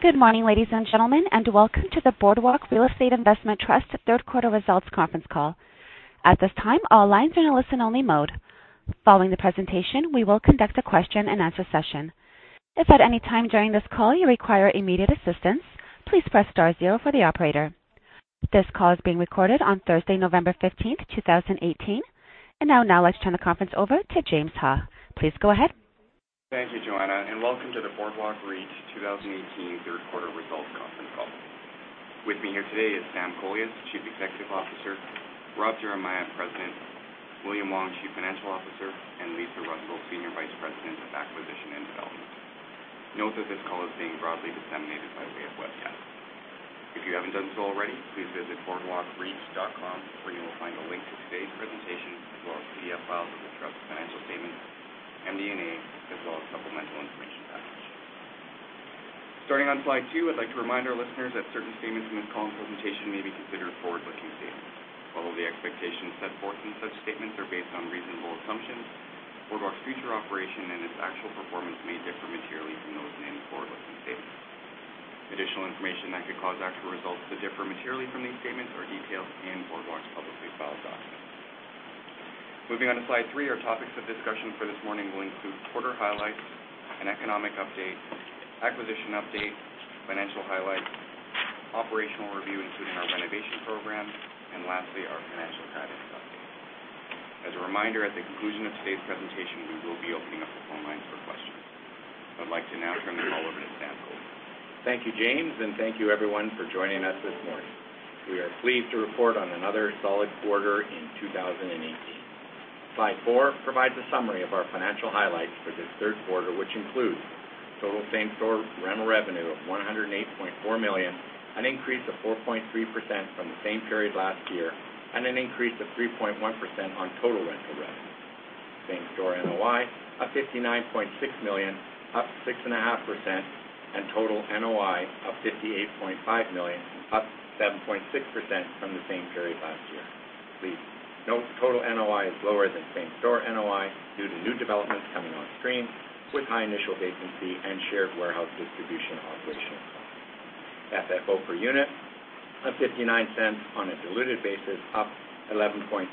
Good morning, ladies and gentlemen, welcome to the Boardwalk Real Estate Investment Trust third quarter results conference call. At this time, all lines are in a listen-only mode. Following the presentation, we will conduct a question and answer session. If at any time during this call you require immediate assistance, please press star zero for the operator. This call is being recorded on Thursday, November 15, 2018. Now, let's turn the conference over to James Ha. Please go ahead. Thank you, Joanna, welcome to the Boardwalk REIT 2018 third quarter results conference call. With me here today is Sam Kolias, Chief Executive Officer; Rob Geremia, President; William Wong, Chief Financial Officer; Lisa Russell, Senior Vice President of Acquisition and Development. Note that this call is being broadly disseminated by way of webcast. If you haven't done so already, please visit bwalk.com where you will find a link to today's presentation as well as PDF files of the trust's financial statements, MD&A, as well as supplemental information package. Starting on slide two, I'd like to remind our listeners that certain statements in this call presentation may be considered forward-looking statements. Although the expectations set forth in such statements are based on reasonable assumptions, Boardwalk's future operation and its actual performance may differ materially from those in the forward-looking statements. Additional information that could cause actual results to differ materially from these statements are detailed in Boardwalk's publicly filed documents. Moving on to slide three, our topics of discussion for this morning will include quarter highlights, an economic update, acquisition update, financial highlights, operational review including our renovation program, lastly, our financial guidance update. As a reminder, at the conclusion of today's presentation, we will be opening up the phone lines for questions. I'd like to now turn the call over to Sam Kolias. Thank you, James, thank you everyone for joining us this morning. We are pleased to report on another solid quarter in 2018. Slide four provides a summary of our financial highlights for this third quarter, which includes total same-store rental revenue of 108.4 million, an increase of 4.3% from the same period last year, an increase of 3.1% on total rental revenue. Same-store NOI of 59.6 million, up 6.5%, total NOI of 58.5 million, up 7.6% from the same period last year. Please note total NOI is lower than same-store NOI due to new developments coming on stream with high initial vacancy and shared warehouse distribution operational costs. FFO per unit of 0.59 on a diluted basis, up 11.3%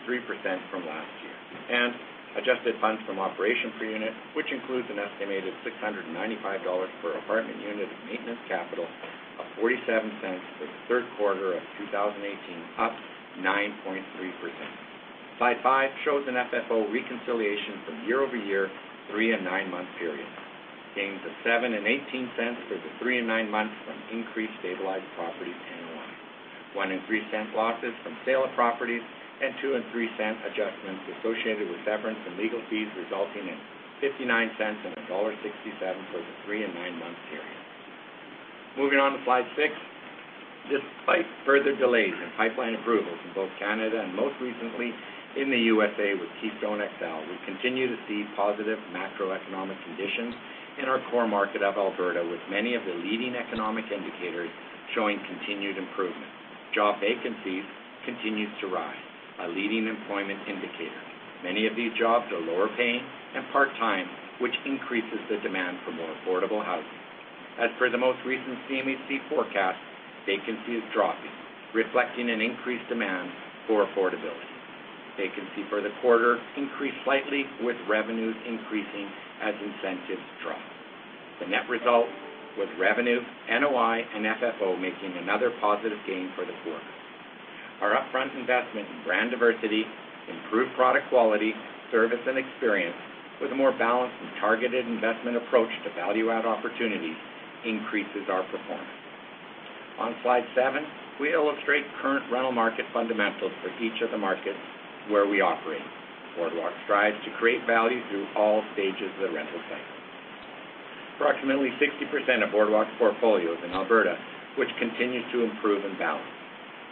from last year, and adjusted funds from operation per unit, which includes an estimated 695 dollars per apartment unit of maintenance capital of 0.47 for the third quarter of 2018, up 9.3%. Slide five shows an FFO reconciliation from year-over-year, three and nine-month periods. Gains of 0.07 and 0.18 for the three and nine months from increased stabilized properties NOI. 0.01 and 0.03 losses from sale of properties, and 0.02 and 0.03 adjustments associated with severance and legal fees, resulting in 0.59 and dollar 1.67 for the three and nine-month periods. Moving on to slide six. Despite further delays in pipeline approvals in both Canada and most recently in the USA with Keystone XL, we continue to see positive macroeconomic conditions in our core market of Alberta, with many of the leading economic indicators showing continued improvement. Job vacancies continues to rise, a leading employment indicator. Many of these jobs are lower-paying and part-time, which increases the demand for more affordable housing. As per the most recent CMHC forecast, vacancy is dropping, reflecting an increased demand for affordability. Vacancy for the quarter increased slightly with revenues increasing as incentives drop. The net result with revenue, NOI, and FFO making another positive gain for the quarter. Our upfront investment in brand diversity, improved product quality, service, and experience with a more balanced and targeted investment approach to value-add opportunities, increases our performance. On slide seven, we illustrate current rental market fundamentals for each of the markets where we operate. Boardwalk strives to create value through all stages of the rental cycle. Approximately 60% of Boardwalk's portfolio is in Alberta, which continues to improve in balance.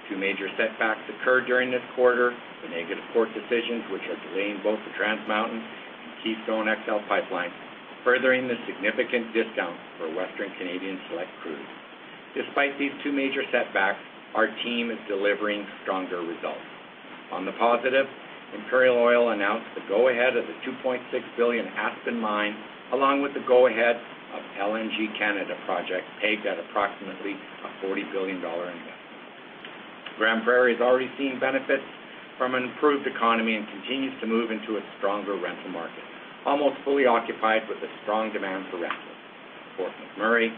Two major setbacks occurred during this quarter, the negative court decisions, which are delaying both the Trans Mountain and Keystone XL Pipeline, furthering the significant discounts for Western Canadian Select crude. Despite these two major setbacks, our team is delivering stronger results. On the positive, Imperial Oil announced the go-ahead of the 2.6 billion Aspen mine, along with the go-ahead of LNG Canada project, pegged at approximately a 40 billion dollar investment. Grande Prairie has already seen benefits from an improved economy and continues to move into a stronger rental market, almost fully occupied with a strong demand for rentals. Fort McMurray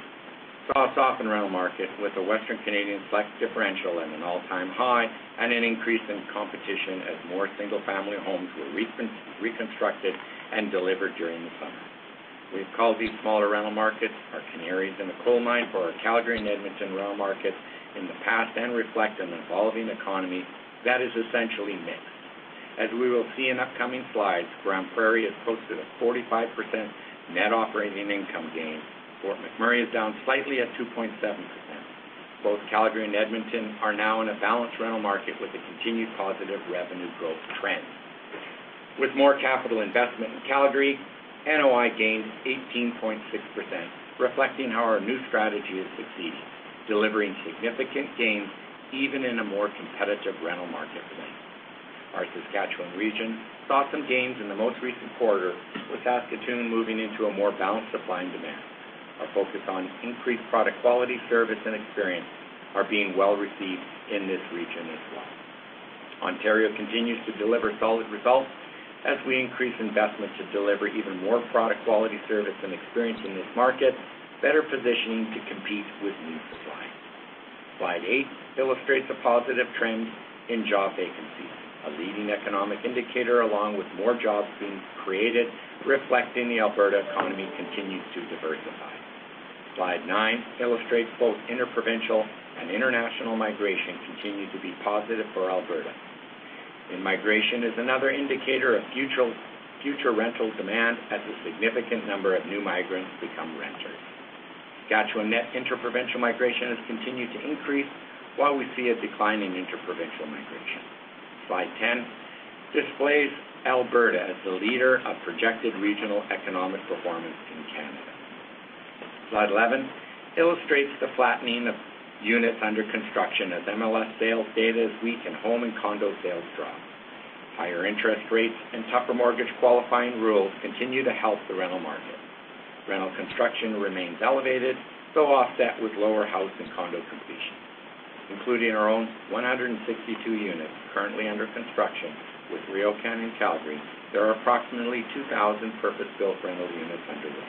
saw a softened rental market with a Western Canadian Select differential at an all-time high and an increase in competition as more single-family homes were reconstructed and delivered during the summer. We've called these smaller rental markets our canaries in the coal mine for our Calgary and Edmonton rental markets in the past and reflect an evolving economy that is essentially mixed. As we will see in upcoming slides, Grande Prairie has posted a 45% net operating income gain. Fort McMurray is down slightly at 2.7%. Both Calgary and Edmonton are now in a balanced rental market with a continued positive revenue growth trend. With more capital investment in Calgary, NOI gained 18.6%, reflecting how our new strategy is succeeding, delivering significant gains even in a more competitive rental market today. Our Saskatchewan region saw some gains in the most recent quarter, with Saskatoon moving into a more balanced supply and demand. Our focus on increased product quality, service, and experience are being well-received in this region as well. Ontario continues to deliver solid results as we increase investments to deliver even more product quality, service, and experience in this market, better positioning to compete with new supply. Slide eight illustrates a positive trend in job vacancies, a leading economic indicator along with more jobs being created, reflecting the Alberta economy continues to diversify. Slide nine illustrates both interprovincial and international migration continue to be positive for Alberta. Migration is another indicator of future rental demand as a significant number of new migrants become renters. Saskatchewan net interprovincial migration has continued to increase while we see a decline in interprovincial migration. Slide 10 displays Alberta as the leader of projected regional economic performance in Canada. Slide 11 illustrates the flattening of units under construction as MLS sales data is weak and home and condo sales drop. Higher interest rates and tougher mortgage-qualifying rules continue to help the rental market. Rental construction remains elevated, though offset with lower house and condo completion. Including our own 162 units currently under construction with RioCan in Calgary, there are approximately 2,000 purpose-built rental units under way.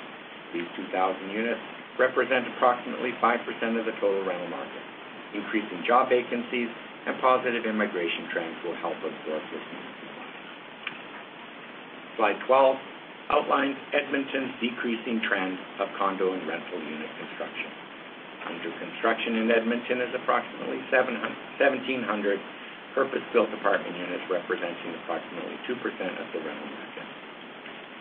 These 2,000 units represent approximately 5% of the total rental market. Increasing job vacancies and positive immigration trends will help absorb this new supply. Slide 12 outlines Edmonton's decreasing trend of condo and rental unit construction. Under construction in Edmonton is approximately 1,700 purpose-built apartment units, representing approximately 2% of the rental market.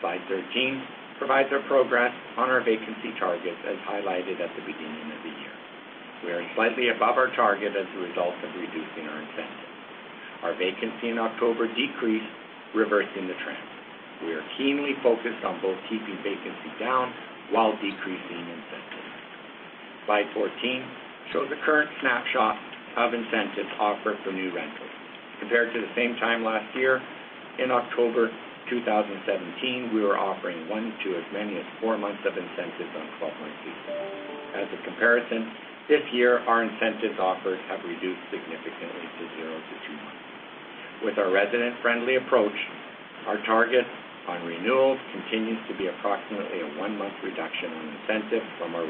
Slide 13 provides our progress on our vacancy targets as highlighted at the beginning of the year. We are slightly above our target as a result of reducing our incentives. Our vacancy in October decreased, reversing the trend. We are keenly focused on both keeping vacancy down while decreasing incentives. Slide 14 shows a current snapshot of incentives offered for new rentals. Compared to the same time last year, in October 2017, we were offering one to as many as four months of incentives on 12-month leases. As a comparison, this year, our incentives offered have reduced significantly to zero to two months. With our resident-friendly approach, our target on renewals continues to be approximately a one-month reduction on incentive from our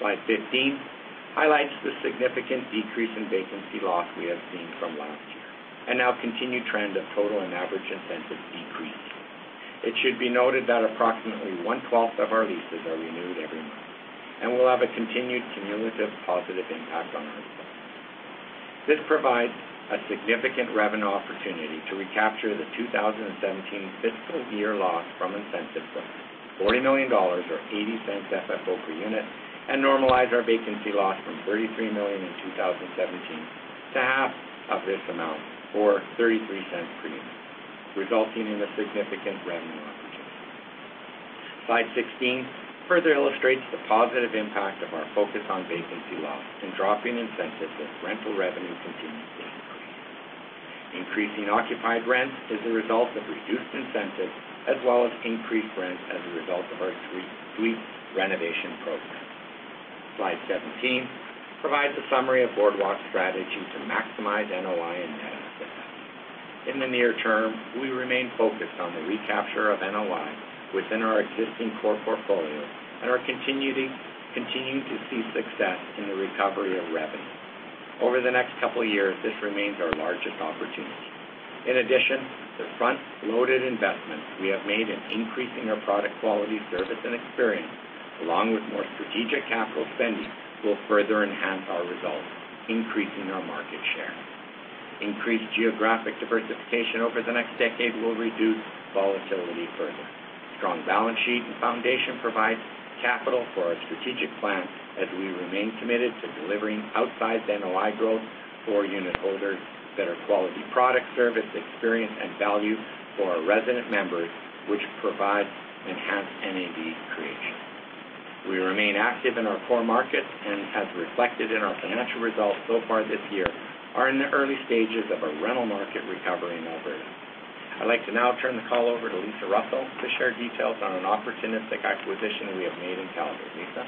residents prior. Slide 15 highlights the significant decrease in vacancy loss we have seen from last year and now continued trend of total and average incentive decrease. It should be noted that approximately one twelfth of our leases are renewed every month and will have a continued cumulative positive impact on our results. This provides a significant revenue opportunity to recapture the 2017 fiscal year loss from incentive from $40 million, or 0.80 FFO per unit, and normalize our vacancy loss from 33 million in 2017 to half of this amount, or 0.33 per unit, resulting in a significant revenue opportunity. Slide 16 further illustrates the positive impact of our focus on vacancy loss and dropping incentives as rental revenue continues to increase. Increasing occupied rents is a result of reduced incentives as well as increased rents as a result of our suite renovation program. Slide 17 provides a summary of Boardwalk's strategy to maximize NOI and NAV. In the near term, we remain focused on the recapture of NOI within our existing core portfolio and are continuing to see success in the recovery of revenue. Over the next couple of years, this remains our largest opportunity. In addition, the front-loaded investments we have made in increasing our product quality, service, and experience, along with more strategic capital spending, will further enhance our results, increasing our market share. Increased geographic diversification over the next decade will reduce volatility further. Strong balance sheet and foundation provides capital for our strategic plan as we remain committed to delivering outsized NOI growth for unitholders, better quality product, service, experience, and value for our resident members, which provides enhanced NAV creation. We remain active in our core markets and, as reflected in our financial results so far this year, are in the early stages of a rental market recovery in Alberta. I'd like to now turn the call over to Lisa Russell to share details on an opportunistic acquisition we have made in Calgary. Lisa?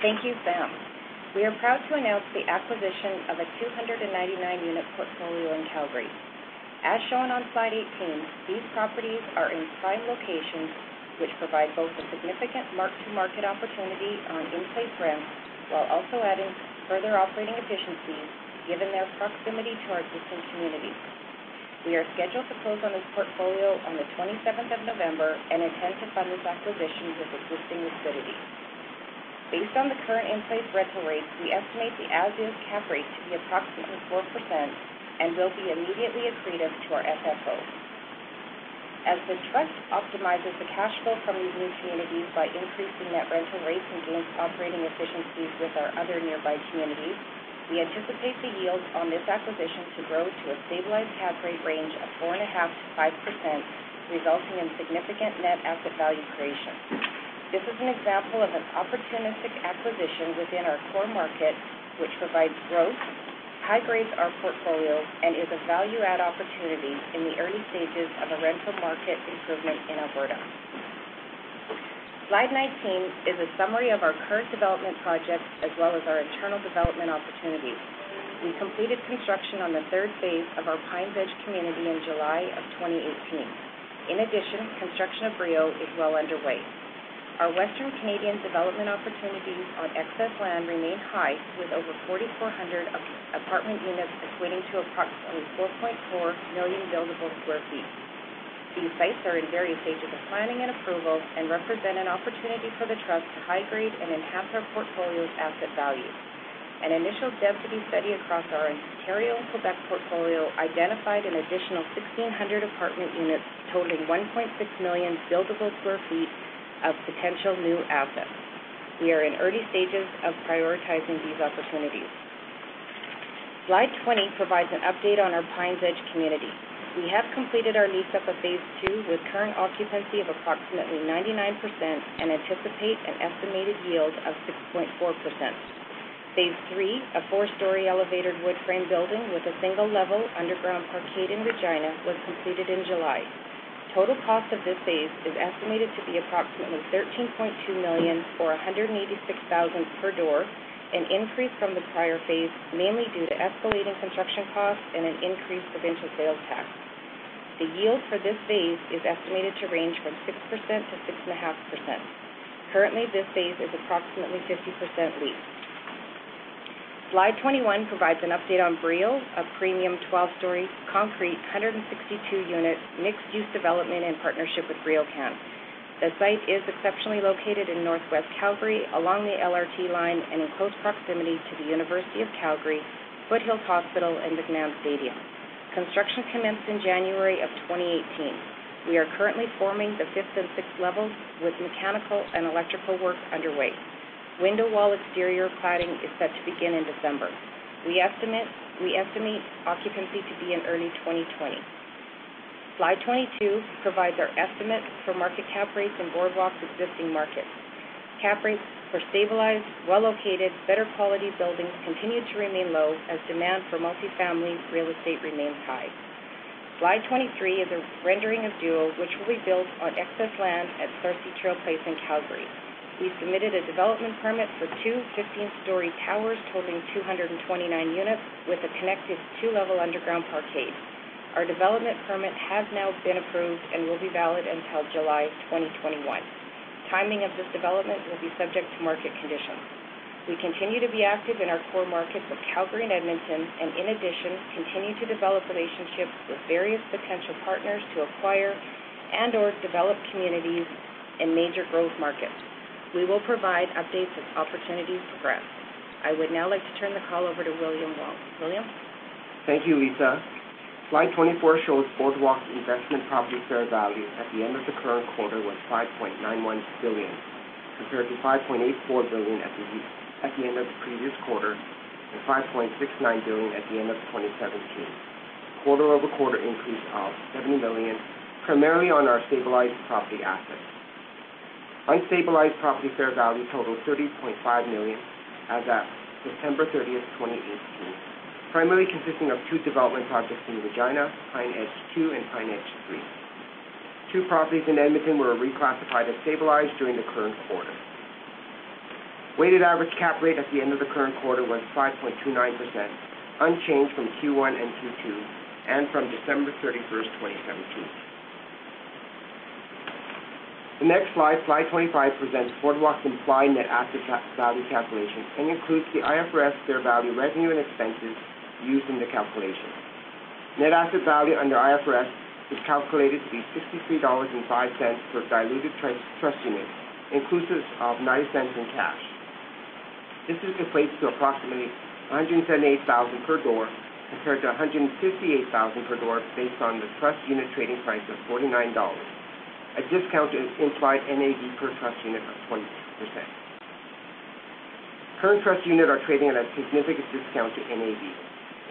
Thank you, Sam. We are proud to announce the acquisition of a 299-unit portfolio in Calgary. As shown on slide 18, these properties are in prime locations, which provide both a significant mark-to-market opportunity on in-place rents while also adding further operating efficiencies given their proximity to our existing communities. We are scheduled to close on this portfolio on the 27th of November and intend to fund this acquisition with existing liquidity. Based on the current in-place rental rates, we estimate the added cap rate to be approximately 4% and will be immediately accretive to our FFO. As the trust optimizes the cash flow from these new communities by increasing net rental rates and gains operating efficiencies with our other nearby communities, we anticipate the yields on this acquisition to grow stabilized cap rate range of 4.5%-5%, resulting in significant net asset value creation. This is an example of an opportunistic acquisition within our core market, which provides growth, high-grades our portfolio, and is a value-add opportunity in the early stages of a rental market improvement in Alberta. Slide 19 is a summary of our current development projects as well as our internal development opportunities. We completed construction on the third phase of our Pines Edge community in July of 2018. In addition, construction of Brio is well underway. Our Western Canadian development opportunities on excess land remain high, with over 4,400 apartment units equating to approximately 4.4 million billable sq ft. These sites are in various stages of planning and approval and represent an opportunity for the trust to high-grade and enhance our portfolio's asset value. An initial density study across our Ontario and Quebec portfolio identified an additional 1,600 apartment units totaling 1.6 million billable sq ft of potential new assets. We are in early stages of prioritizing these opportunities. Slide 20 provides an update on our Pines Edge community. We have completed our lease-up of phase 2 with current occupancy of approximately 99% and anticipate an estimated yield of 6.4%. Phase 3, a four-story elevated wood-frame building with a single-level underground parkade in Regina, was completed in July. Total cost of this phase is estimated to be approximately 13.2 million, or 186,000 per door, an increase from the prior phase, mainly due to escalating construction costs and an increase of provincial sales tax. The yield for this phase is estimated to range from 6%-6.5%. Currently, this phase is approximately 50% leased. Slide 21 provides an update on Brio, a premium 12-story concrete, 162-unit mixed-use development in partnership with RioCan. The site is exceptionally located in Northwest Calgary along the LRT line and in close proximity to the University of Calgary, Foothills Medical Centre, and McMahon Stadium. Construction commenced in January 2018. We are currently forming the fifth and sixth levels with mechanical and electrical work underway. Window wall exterior cladding is set to begin in December. We estimate occupancy to be in early 2020. Slide 22 provides our estimate for market cap rates in Boardwalk's existing markets. Cap rates for stabilized, well-located, better-quality buildings continue to remain low as demand for multi-family real estate remains high. Slide 23 is a rendering of Duo, which will be built on excess land at Sarcee Trail Place in Calgary. We submitted a development permit for two 15-story towers totaling 229 units with a connected two-level underground parkade. Our development permit has now been approved and will be valid until July 2021. Timing of this development will be subject to market conditions. We continue to be active in our core markets of Calgary and Edmonton. In addition, continue to develop relationships with various potential partners to acquire and/or develop communities in major growth markets. We will provide updates as opportunities progress. I would now like to turn the call over to William Wong. William? Thank you, Lisa. Slide 24 shows Boardwalk's investment property fair value at the end of the current quarter was 5.91 billion, compared to 5.84 billion at the end of the previous quarter and 5.69 billion at the end of 2017. Quarter-over-quarter increase of 70 million, primarily on our stabilized property assets. Unstabilized property fair value totaled 30.5 million as at September 30th, 2018, primarily consisting of two development projects in Regina, Pines Edge II and Pines Edge III. Two properties in Edmonton were reclassified as stabilized during the current quarter. Weighted average cap rate at the end of the current quarter was 5.29%, unchanged from Q1 and Q2 and from December 31st, 2017. The next slide 25, presents Boardwalk's implied net asset value calculation and includes the IFRS fair value revenue and expenses used in the calculation. Net asset value under IFRS is calculated to be 63.05 dollars per diluted trust unit, inclusive of 0.90 in cash. This equates to approximately 178,000 per door, compared to 158,000 per door based on the trust unit trading price of 49 dollars, a discount to implied NAV per trust unit of 20%. Current trust units are trading at a significant discount to NAV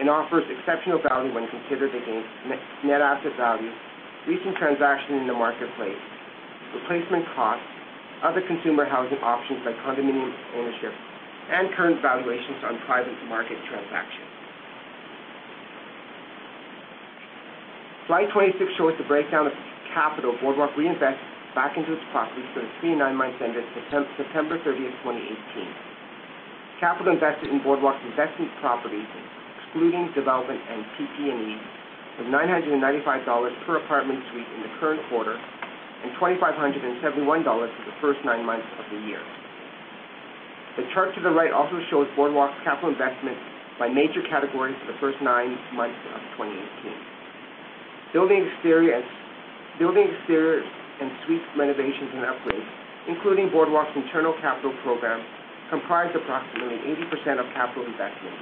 and offers exceptional value when considered against net asset value, recent transaction in the marketplace, replacement costs, other consumer housing options like condominium ownership, and current valuations on private market transactions. Slide 26 shows the breakdown of capital Boardwalk reinvests back into its properties for the three nine months ended September 30, 2018. Capital invested in Boardwalk's investment properties, excluding development and PP&E of 995 dollars per apartment suite in the current quarter and 2,571 dollars for the first nine months of the year. The chart to the right also shows Boardwalk's capital investment by major categories for the first nine months of 2018. Building exterior and suite renovations and upgrades, including Boardwalk's internal capital program, comprised approximately 80% of capital investment,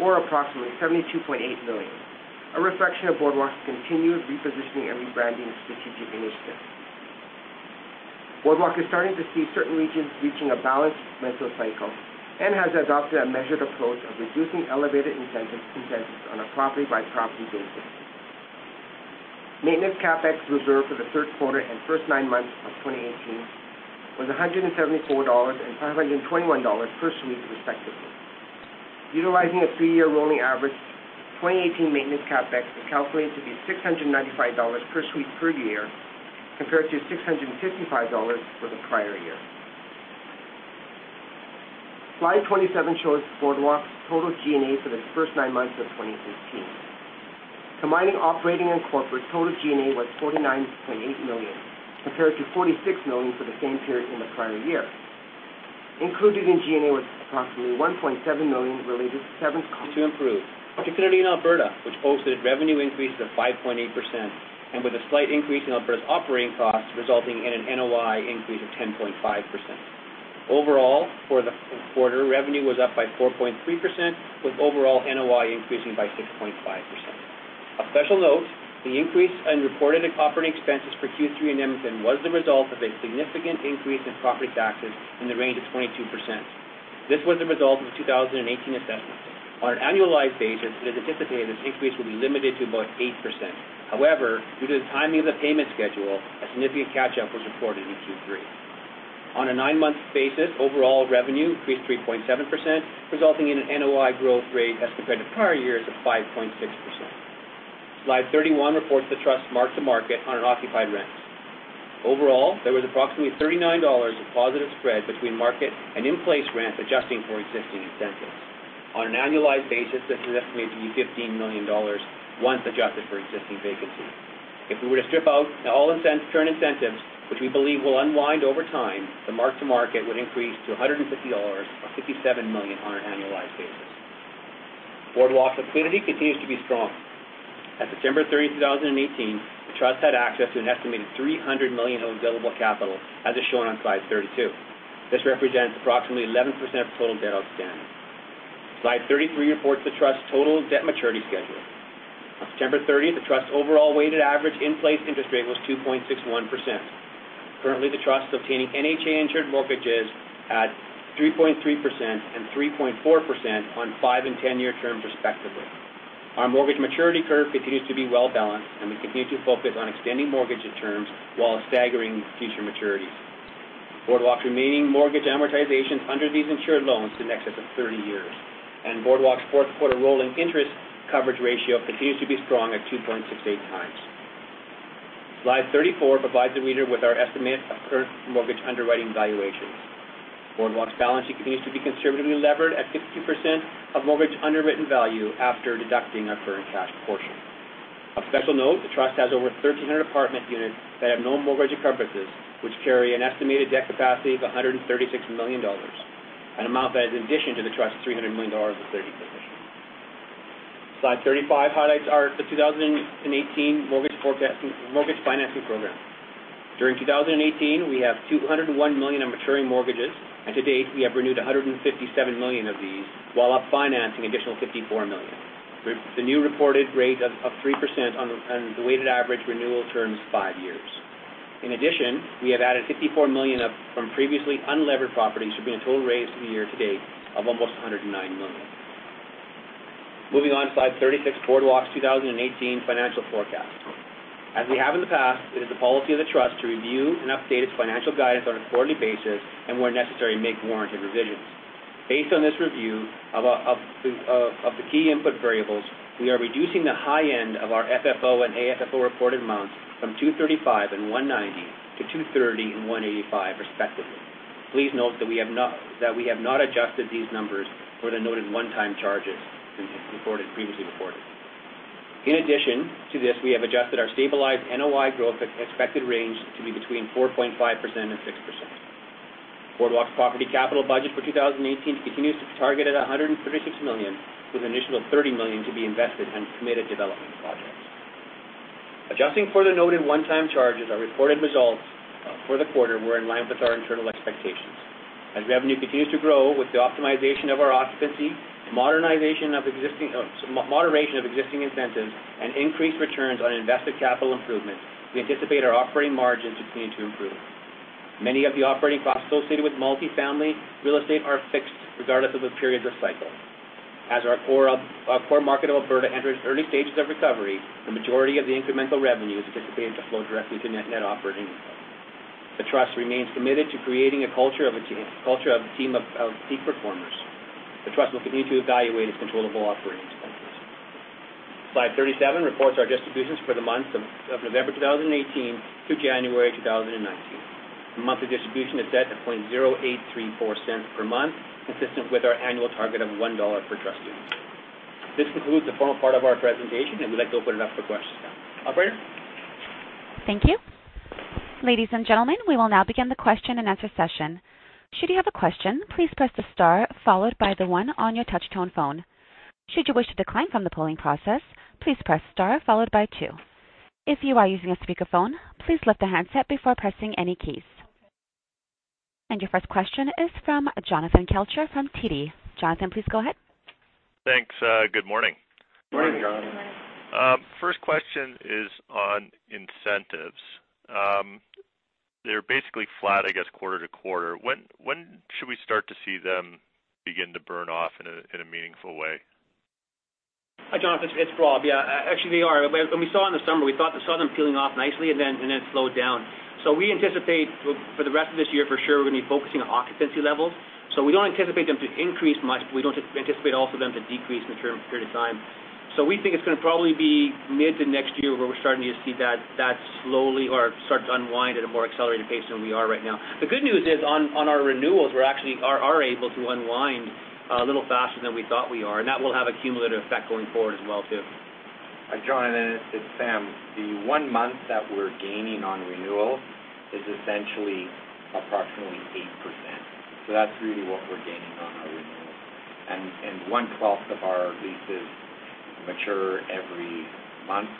or approximately 72.8 million, a reflection of Boardwalk's continued repositioning and rebranding strategic initiative. Boardwalk is starting to see certain regions reaching a balanced rental cycle and has adopted a measured approach of reducing elevated incentives on a property-by-property basis. Maintenance CapEx reserved for the third quarter and first nine months of 2018 was 174 dollars and 521 dollars per suite respectively. Utilizing a three-year rolling average, 2018 maintenance CapEx is calculated to be 695 dollars per suite per year, compared to 655 dollars for the prior year. Slide 27 shows Boardwalk's total G&A for the first nine months of 2018. Combining operating and corporate, total G&A was 49.8 million, compared to 46 million for the same period in the prior year. Included in G&A was approximately 1.7 million related to severance costs. To improve, particularly in Alberta, which boasted revenue increases of 5.8%, and with a slight increase in Alberta's operating costs, resulting in an NOI increase of 10.5%. Overall, for the third quarter, revenue was up by 4.3%, with overall NOI increasing by 6.5%. A special note, the increase in reported operating expenses for Q3 in Edmonton was the result of a significant increase in property taxes in the range of 22%. This was a result of the 2018 assessment. On an annualized basis, it is anticipated this increase will be limited to about 8%. However, due to the timing of the payment schedule, a significant catch-up was reported in Q3. On a nine-month basis, overall revenue increased 3.7%, resulting in an NOI growth rate as compared to prior years of 5.6%. Slide 31 reports the Trust's mark-to-market on occupied rents. Overall, there was approximately 39 dollars of positive spread between market and in-place rents, adjusting for existing incentives. On an annualized basis, this is estimated to be 15 million dollars, once adjusted for existing vacancies. If we were to strip out all current incentives, which we believe will unwind over time, the mark-to-market would increase to 150 dollars, or 57 million on an annualized basis. Boardwalk's liquidity continues to be strong. As of September 30, 2018, the Trust had access to an estimated 300 million of available capital, as is shown on Slide 32. This represents approximately 11% of total debt outstanding. Slide 33 reports the Trust's total debt maturity schedule. On September 30th, the Trust's overall weighted average in-place interest rate was 2.61%. Currently, the Trust is obtaining NHA-insured mortgages at 3.3% and 3.4% on five- and 10-year terms respectively. Our mortgage maturity curve continues to be well-balanced, and we continue to focus on extending mortgages terms while staggering future maturities. Boardwalk's remaining mortgage amortizations under these insured loans in excess of 30 years, and Boardwalk's fourth quarter rolling interest coverage ratio continues to be strong at 2.68 times. Slide 34 provides the reader with our estimated current mortgage underwriting valuations. Boardwalk's balancing continues to be conservatively levered at 50% of mortgage underwritten value after deducting our current cash portion. A special note, the Trust has over 1,300 apartment units that have no mortgage encumbrances, which carry an estimated debt capacity of 136 million dollars, an amount that is in addition to the Trust's 300 million dollars of liquidity position. Slide 35 highlights our 2018 mortgage financing program. During 2018, we have 201 million of maturing mortgages, and to date, we have renewed 157 million of these, while up financing additional 54 million. The new reported rate of 3% on the weighted average renewal term is five years. In addition, we have added 54 million from previously unlevered properties for being a total raise for the year to date of almost 109 million. Moving on to Slide 36, Boardwalk's 2018 financial forecast. As we have in the past, it is the policy of the Trust to review and update its financial guidance on a quarterly basis, and where necessary, make warranted revisions. Based on this review of the key input variables, we are reducing the high end of our FFO and AFFO reported amounts from 235 and 190 to 230 and 185 respectively. Please note that we have not adjusted these numbers for the noted one-time charges previously reported. In addition to this, we have adjusted our stabilized NOI growth expected range to be between 4.5%-6%. Boardwalk's property capital budget for 2018 continues to be targeted at 136 million, with an initial of 30 million to be invested on committed development projects. Adjusting for the noted one-time charges, our reported results for the quarter were in line with our internal expectations. As revenue continues to grow with the optimization of our occupancy, moderation of existing incentives, and increased returns on invested capital improvements, we anticipate our operating margin to continue to improve. Many of the operating costs associated with multifamily real estate are fixed regardless of the periods of cycle. As our core market of Alberta enters early stages of recovery, the majority of the incremental revenue is anticipated to flow directly to net operating income. The Trust remains committed to creating a culture of a team of peak performers. The Trust will continue to evaluate its controllable operating expenses. Slide 37 reports our distributions for the months of November 2018 to January 2019. The monthly distribution is set to 0.0834 per month, consistent with our annual target of CAD 1 per trust unit. This concludes the formal part of our presentation, and we'd like to open it up for questions now. Operator? Thank you. Ladies and gentlemen, we will now begin the question-and-answer session. Should you have a question, please press the star followed by the one on your touch-tone phone. Should you wish to decline from the polling process, please press star followed by two. If you are using a speakerphone, please lift the handset before pressing any keys. Your first question is from Jonathan Kelcher from TD. Jonathan, please go ahead. Thanks. Good morning. Morning, Jonathan. Good morning. First question is on incentives. They're basically flat, I guess, quarter-over-quarter. When should we start to see them begin to burn off in a meaningful way? Hi, Jonathan. It's Rob. Yeah, actually, they are. When we saw in the summer, we thought we saw them peeling off nicely, and then it slowed down. We anticipate for the rest of this year, for sure, we're going to be focusing on occupancy levels. We don't anticipate them to increase much, but we don't anticipate also them to decrease in a period of time. We think it's going to probably be mid to next year where we're starting to see that slowly or start to unwind at a more accelerated pace than we are right now. The good news is on our renewals, we actually are able to unwind a little faster than we thought we are, and that will have a cumulative effect going forward as well, too. Jonathan, it's Sam. The one month that we're gaining on renewal is essentially approximately 8%. That's really what we're gaining on our renewals. One-twelfth of our leases mature every month.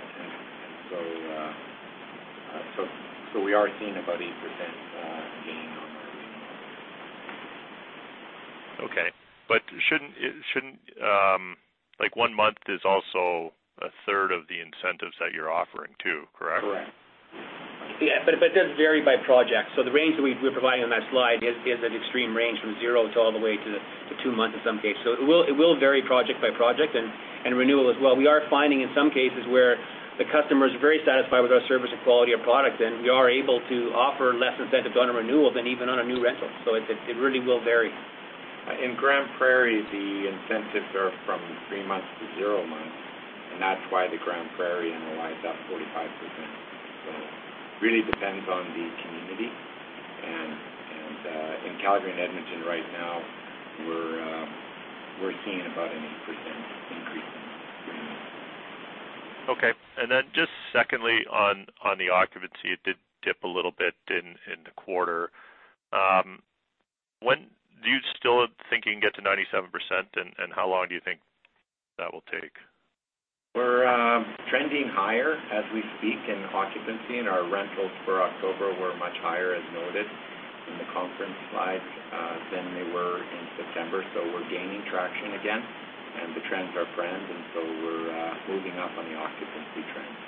We are seeing about 8% gain on our renewals. Okay. One month is also 1/3 of the incentives that you're offering too, correct? Correct. It does vary by project. The range that we are providing on that slide is an extreme range from zero to two months in some cases. It will vary project by project and renewal as well. We are finding in some cases where the customer is very satisfied with our service and quality of product, then we are able to offer less incentive on a renewal than even on a new rental. It really will vary. In Grande Prairie, the incentives are from three months to zero months. That is why the Grande Prairie annualized up 45%. It really depends on the community. In Calgary and Edmonton right now, we are seeing about an 8% increase in renewals. Secondly, on the occupancy, it did dip a little bit in the quarter. Do you still think you can get to 97%, and how long do you think that will take? We are trending higher as we speak in occupancy. Our rentals for October were much higher, as noted in the conference slides, than they were in September. We are gaining traction again, and the trends are friends, and so we are moving up on the occupancy trends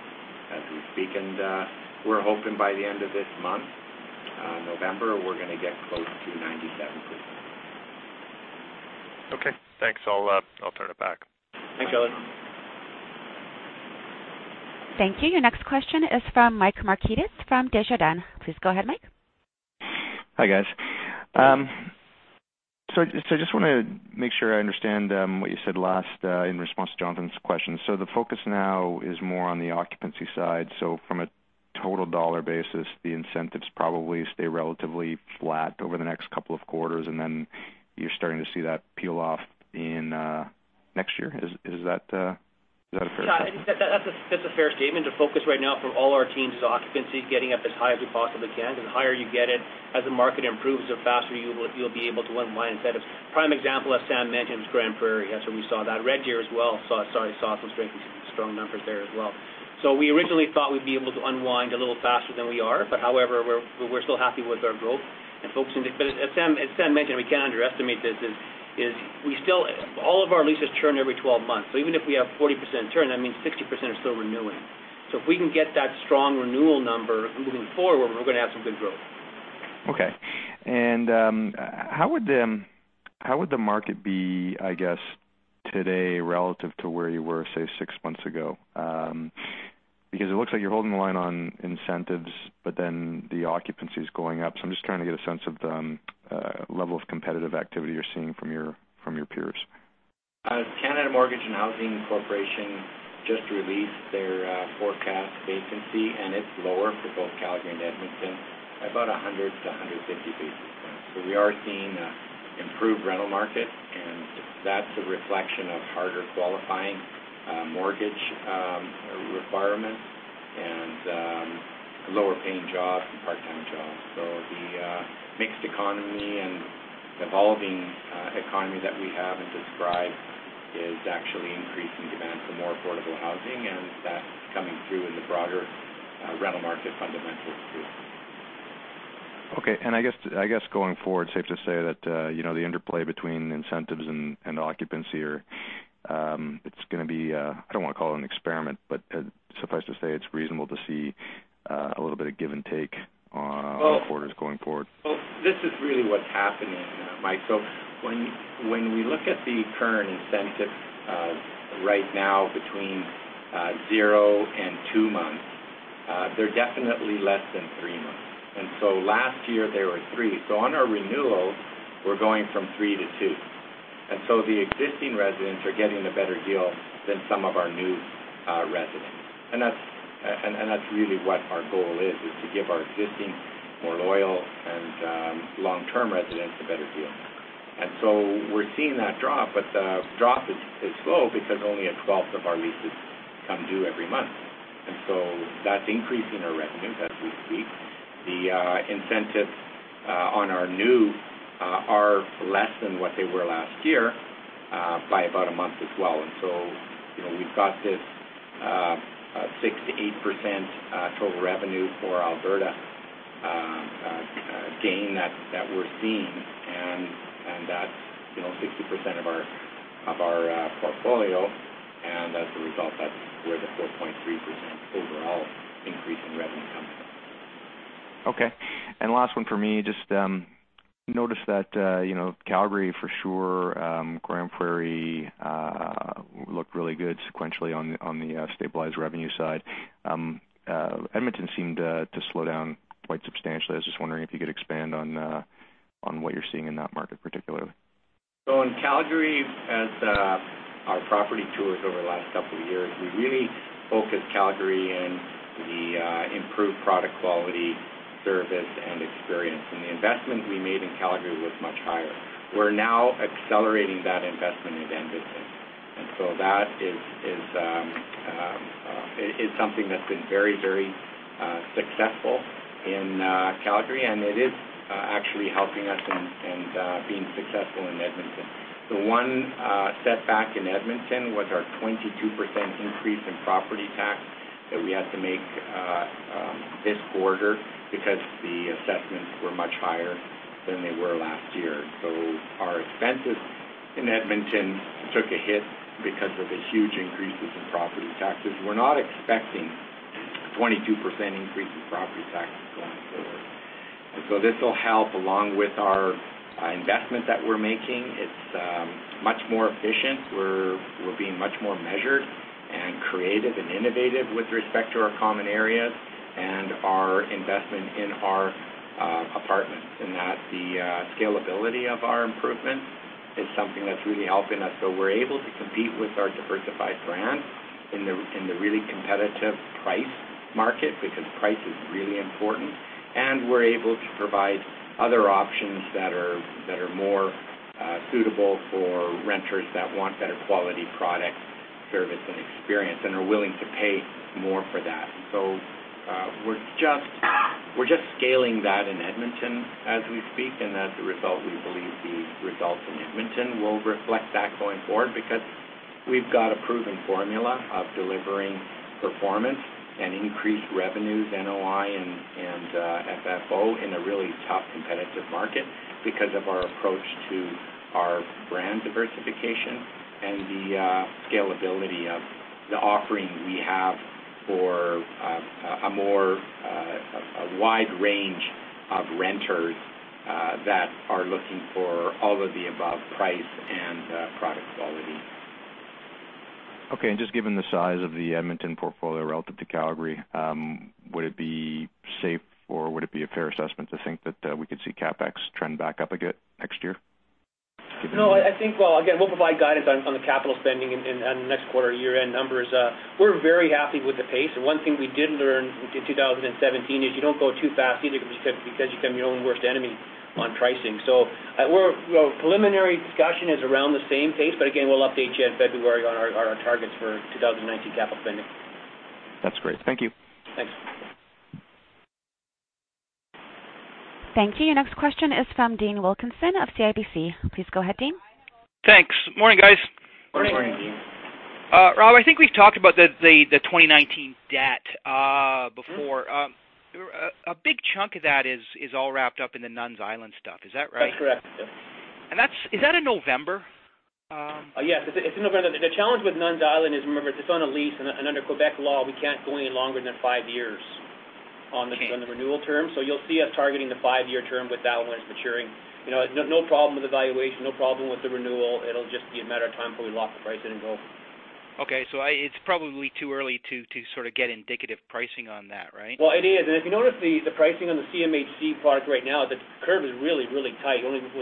as we speak. We are hoping by the end of this month, November, we are going to get close to 97%. Okay, thanks. I'll turn it back. Thanks, Jonathan. Thank you. Your next question is from Michael Markidis from Desjardins. Please go ahead, Michael. Hi, guys. I just want to make sure I understand what you said last in response to Jonathan's question. The focus now is more on the occupancy side. From a total dollar basis, the incentives probably stay relatively flat over the next couple of quarters, and then you're starting to see that peel off in next year. Is that a fair statement? Yeah, that's a fair statement. The focus right now for all our teams is occupancy, getting up as high as we possibly can, because the higher you get it, as the market improves, the faster you'll be able to unwind incentives. Prime example, as Sam mentioned, was Grande Prairie. That's where we saw that. Red Deer as well, saw some strong numbers there as well. We originally thought we'd be able to unwind a little faster than we are, but however, we're still happy with our growth and focusing. As Sam mentioned, we can't underestimate this, is all of our leases turn every 12 months. Even if we have 40% turn, that means 60% are still renewing. If we can get that strong renewal number moving forward, we're going to have some good growth. Okay. How would the market be, I guess, today relative to where you were, say, six months ago? Because it looks like you're holding the line on incentives, but then the occupancy is going up. I'm just trying to get a sense of the level of competitive activity you're seeing from your peers. Canada Mortgage and Housing Corporation just released their forecast vacancy, and it's lower for both Calgary and Edmonton by about 100 to 150 basis points. We are seeing improved rental market, and that's a reflection of harder qualifying mortgage requirements and lower-paying jobs and part-time jobs. The mixed economy and evolving economy that we have and describe is actually increasing demand for more affordable housing, and that's coming through in the broader rental market fundamentals, too. Okay. I guess going forward, safe to say that the interplay between incentives and occupancy. It's going to be, I don't want to call it an experiment, but suffice to say, it's reasonable to see a little bit of give and take on the quarters going forward. This is really what's happening, Michael. When we look at the current incentives right now between 0 and 2 months, they're definitely less than three months. Last year, they were three. On our renewals, we're going from 3 to 2. The existing residents are getting a better deal than some of our new residents. That's really what our goal is to give our existing, more loyal, and long-term residents a better deal. We're seeing that drop, but the drop is slow because only a twelfth of our leases come due every month. That's increasing our revenues as we speak. The incentives on our new less than what they were last year by about a month as well. We've got this 6%-8% total revenue for Alberta gain that we're seeing, that's 60% of our portfolio, as a result, that's where the 4.3% overall increase in revenue comes from. Okay. Last one for me, just noticed that Calgary for sure, Grande Prairie looked really good sequentially on the stabilized revenue side. Edmonton seemed to slow down quite substantially. I was just wondering if you could expand on what you're seeing in that market, particularly. In Calgary, as our property tours over the last couple of years, we really focused Calgary in the improved product quality, service, and experience. The investment we made in Calgary was much higher. We're now accelerating that investment in Edmonton. That is something that's been very successful in Calgary, and it is actually helping us in being successful in Edmonton. The one setback in Edmonton was our 22% increase in property tax that we had to make this quarter because the assessments were much higher than they were last year. Our expenses in Edmonton took a hit because of the huge increases in property taxes. We're not expecting a 22% increase in property taxes going forward. This will help along with our investment that we're making. It's much more efficient. We're being much more measured and creative and innovative with respect to our common areas and our investment in our apartments, in that the scalability of our improvements is something that's really helping us. We're able to compete with our diversified brands in the really competitive price market because price is really important, and we're able to provide other options that are more suitable for renters that want better quality product, service, and experience and are willing to pay more for that. We're just scaling that in Edmonton as we speak, and as a result, we believe the results in Edmonton will reflect that going forward because we've got a proven formula of delivering performance and increased revenues, NOI, and FFO in a really tough competitive market because of our approach to our brand diversification and the scalability of the offering we have for a wide range of renters that are looking for all of the above price and product quality. Okay, just given the size of the Edmonton portfolio relative to Calgary, would it be safe, or would it be a fair assessment to think that we could see CapEx trend back up again next year? No, I think, well, again, we'll provide guidance on the capital spending in the next quarter year-end numbers. We're very happy with the pace. One thing we did learn in 2017 is you don't go too fast either because you become your own worst enemy on pricing. Preliminary discussion is around the same pace. Again, we'll update you in February on our targets for 2019 capital spending. That's great. Thank you. Thanks. Thank you. Your next question is from Dean Wilkinson of CIBC. Please go ahead, Dean. Thanks. Morning, guys. Morning. Morning. Rob, I think we've talked about the 2019 debt before. A big chunk of that is all wrapped up in the Nuns' Island stuff. Is that right? That's correct. Yeah. Is that in November? Yes, it's in November. The challenge with Nuns' Island is, remember, it's on a lease. Under Quebec law, we can't go any longer than five years. Okay on the renewal term. You'll see us targeting the five-year term with that one. It's maturing. No problem with the valuation, no problem with the renewal. It'll just be a matter of time before we lock the price in and go. Okay. It's probably too early to sort of get indicative pricing on that, right? Well, it is. If you notice the pricing on the CMHC product right now, the curve is really tight, only from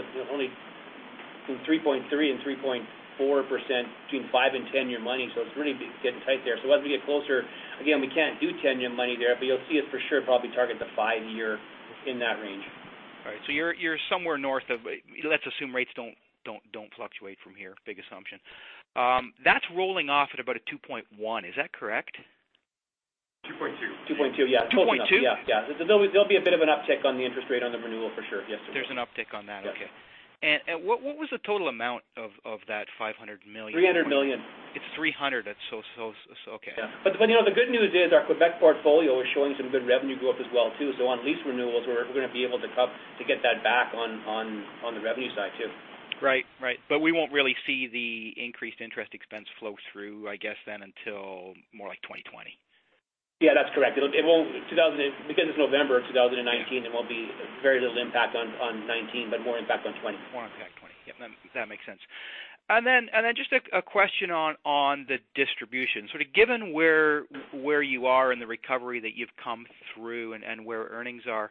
3.3%-3.4% between five and 10-year money. It's really getting tight there. As we get closer, again, we can't do 10-year money there, but you'll see us for sure probably target the five-year, in that range. All right. You're somewhere north of, let's assume rates don't fluctuate from here. Big assumption. That's rolling off at about a 2.1. Is that correct? 2.2. 2.2, yeah. 2.2. Yeah. There'll be a bit of an uptick on the interest rate on the renewal for sure. Yes, it will. There's an uptick on that. Okay. Yes. What was the total amount of that 500 million? 300 million. It's 300. Okay. Yeah. The good news is our Quebec portfolio is showing some good revenue growth as well too. On lease renewals, we're going to be able to get that back on the revenue side too. Right. We won't really see the increased interest expense flow through, I guess then, until more like 2020. Yeah, that's correct. Because it's November 2019, there will be very little impact on 2019, but more impact on 2020. More impact 2020. Yep. That makes sense. Just a question on the distribution. Sort of given where you are in the recovery that you've come through and where earnings are,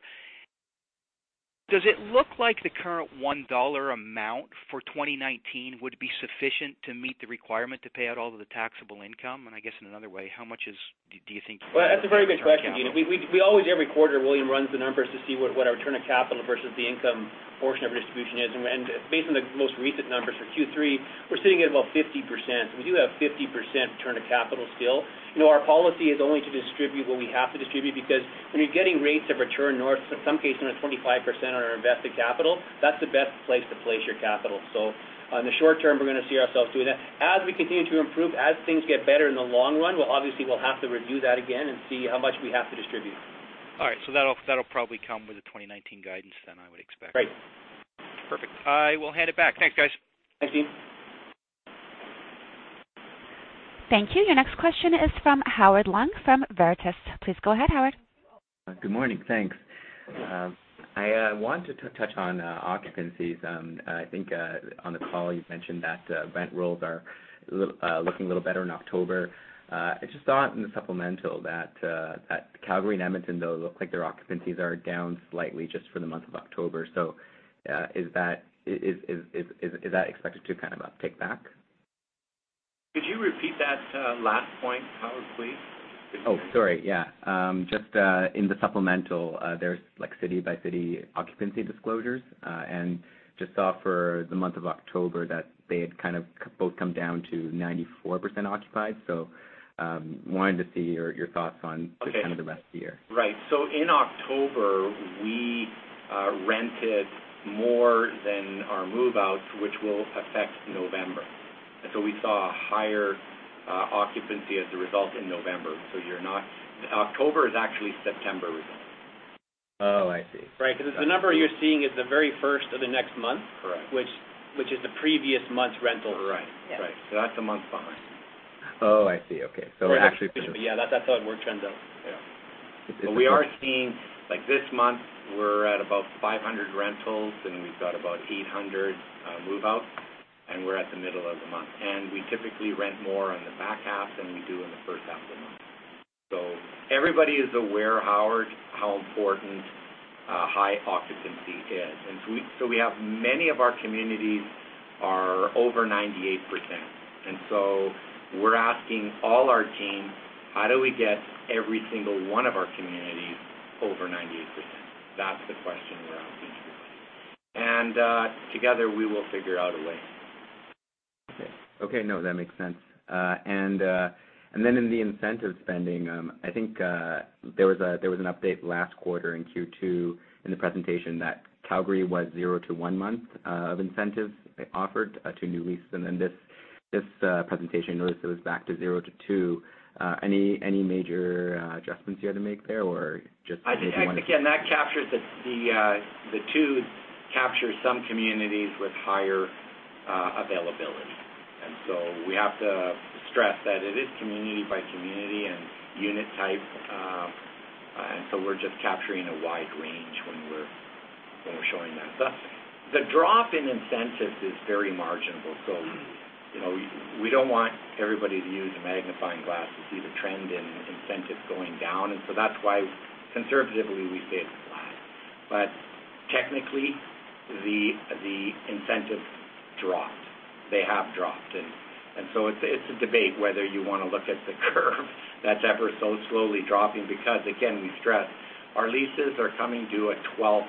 does it look like the current $1 amount for 2019 would be sufficient to meet the requirement to pay out all of the taxable income? I guess in another way, how much do you think? Well, that's a very good question, Dean. Every quarter, William runs the numbers to see what our return of capital versus the income portion of our distribution is. Based on the most recent numbers for Q3, we're sitting at about 50%. We do have 50% return of capital still. Our policy is only to distribute what we have to distribute because when you're getting rates of return north, in some cases, 25% on our invested capital, that's the best place to place your capital. In the short term, we're going to see ourselves doing that. As we continue to improve, as things get better in the long run, obviously, we'll have to review that again and see how much we have to distribute. All right. That'll probably come with the 2019 guidance then, I would expect. Right. Perfect. I will hand it back. Thanks, guys. Thank you. Thank you. Your next question is from Howard Leung from Veritas. Please go ahead, Howard. Good morning. Thanks. I want to touch on occupancies. I think on the call you mentioned that rent rolls are looking a little better in October. I just saw it in the supplemental that Calgary and Edmonton, though, look like their occupancies are down slightly just for the month of October. Is that expected to kind of pick back? Could you repeat that last point, Howard, please? Oh, sorry. Yeah. Just in the supplemental, there's city-by-city occupancy disclosures, and just saw for the month of October that they had both come down to 94% occupied. wanted to see your thoughts on- Okay just kind of the rest of the year. Right. In October, we rented more than our move-outs, which will affect November. We saw a higher occupancy as a result in November. October is actually September results. Oh, I see. Right. The number you're seeing is the very first of the next month. Correct. Is the previous month's rental. Right. Yes. Right. That's a month behind. I see. Okay. Yeah. That's how it works ends up. We are seeing, this month, we're at 500 rentals, and we've got 800 move-outs, and we're at the middle of the month. We typically rent more on the back half than we do in the first half of the month. Everybody is aware, Howard, how important high occupancy is. We have many of our communities are over 98%. We're asking all our teams, how do we get every single one of our communities over 98%? That's the question we're asking everybody. Together, we will figure out a way. Okay. No, that makes sense. In the incentive spending, I think there was an update last quarter in Q2 in the presentation that Calgary was 0-1 month of incentives offered to new leases. In this presentation notice it was back to 0-2. Any major adjustments you had to make there? Again, the two captures some communities with higher availability. We have to stress that it is community by community and unit type. We're just capturing a wide range when we're showing that. The drop in incentives is very marginal. We don't want everybody to use a magnifying glass to see the trend in incentives going down. That's why conservatively we say it's flat. Technically, the incentives dropped. They have dropped, it's a debate whether you want to look at the curve that's ever so slowly dropping because, again, we stress our leases are coming due at 12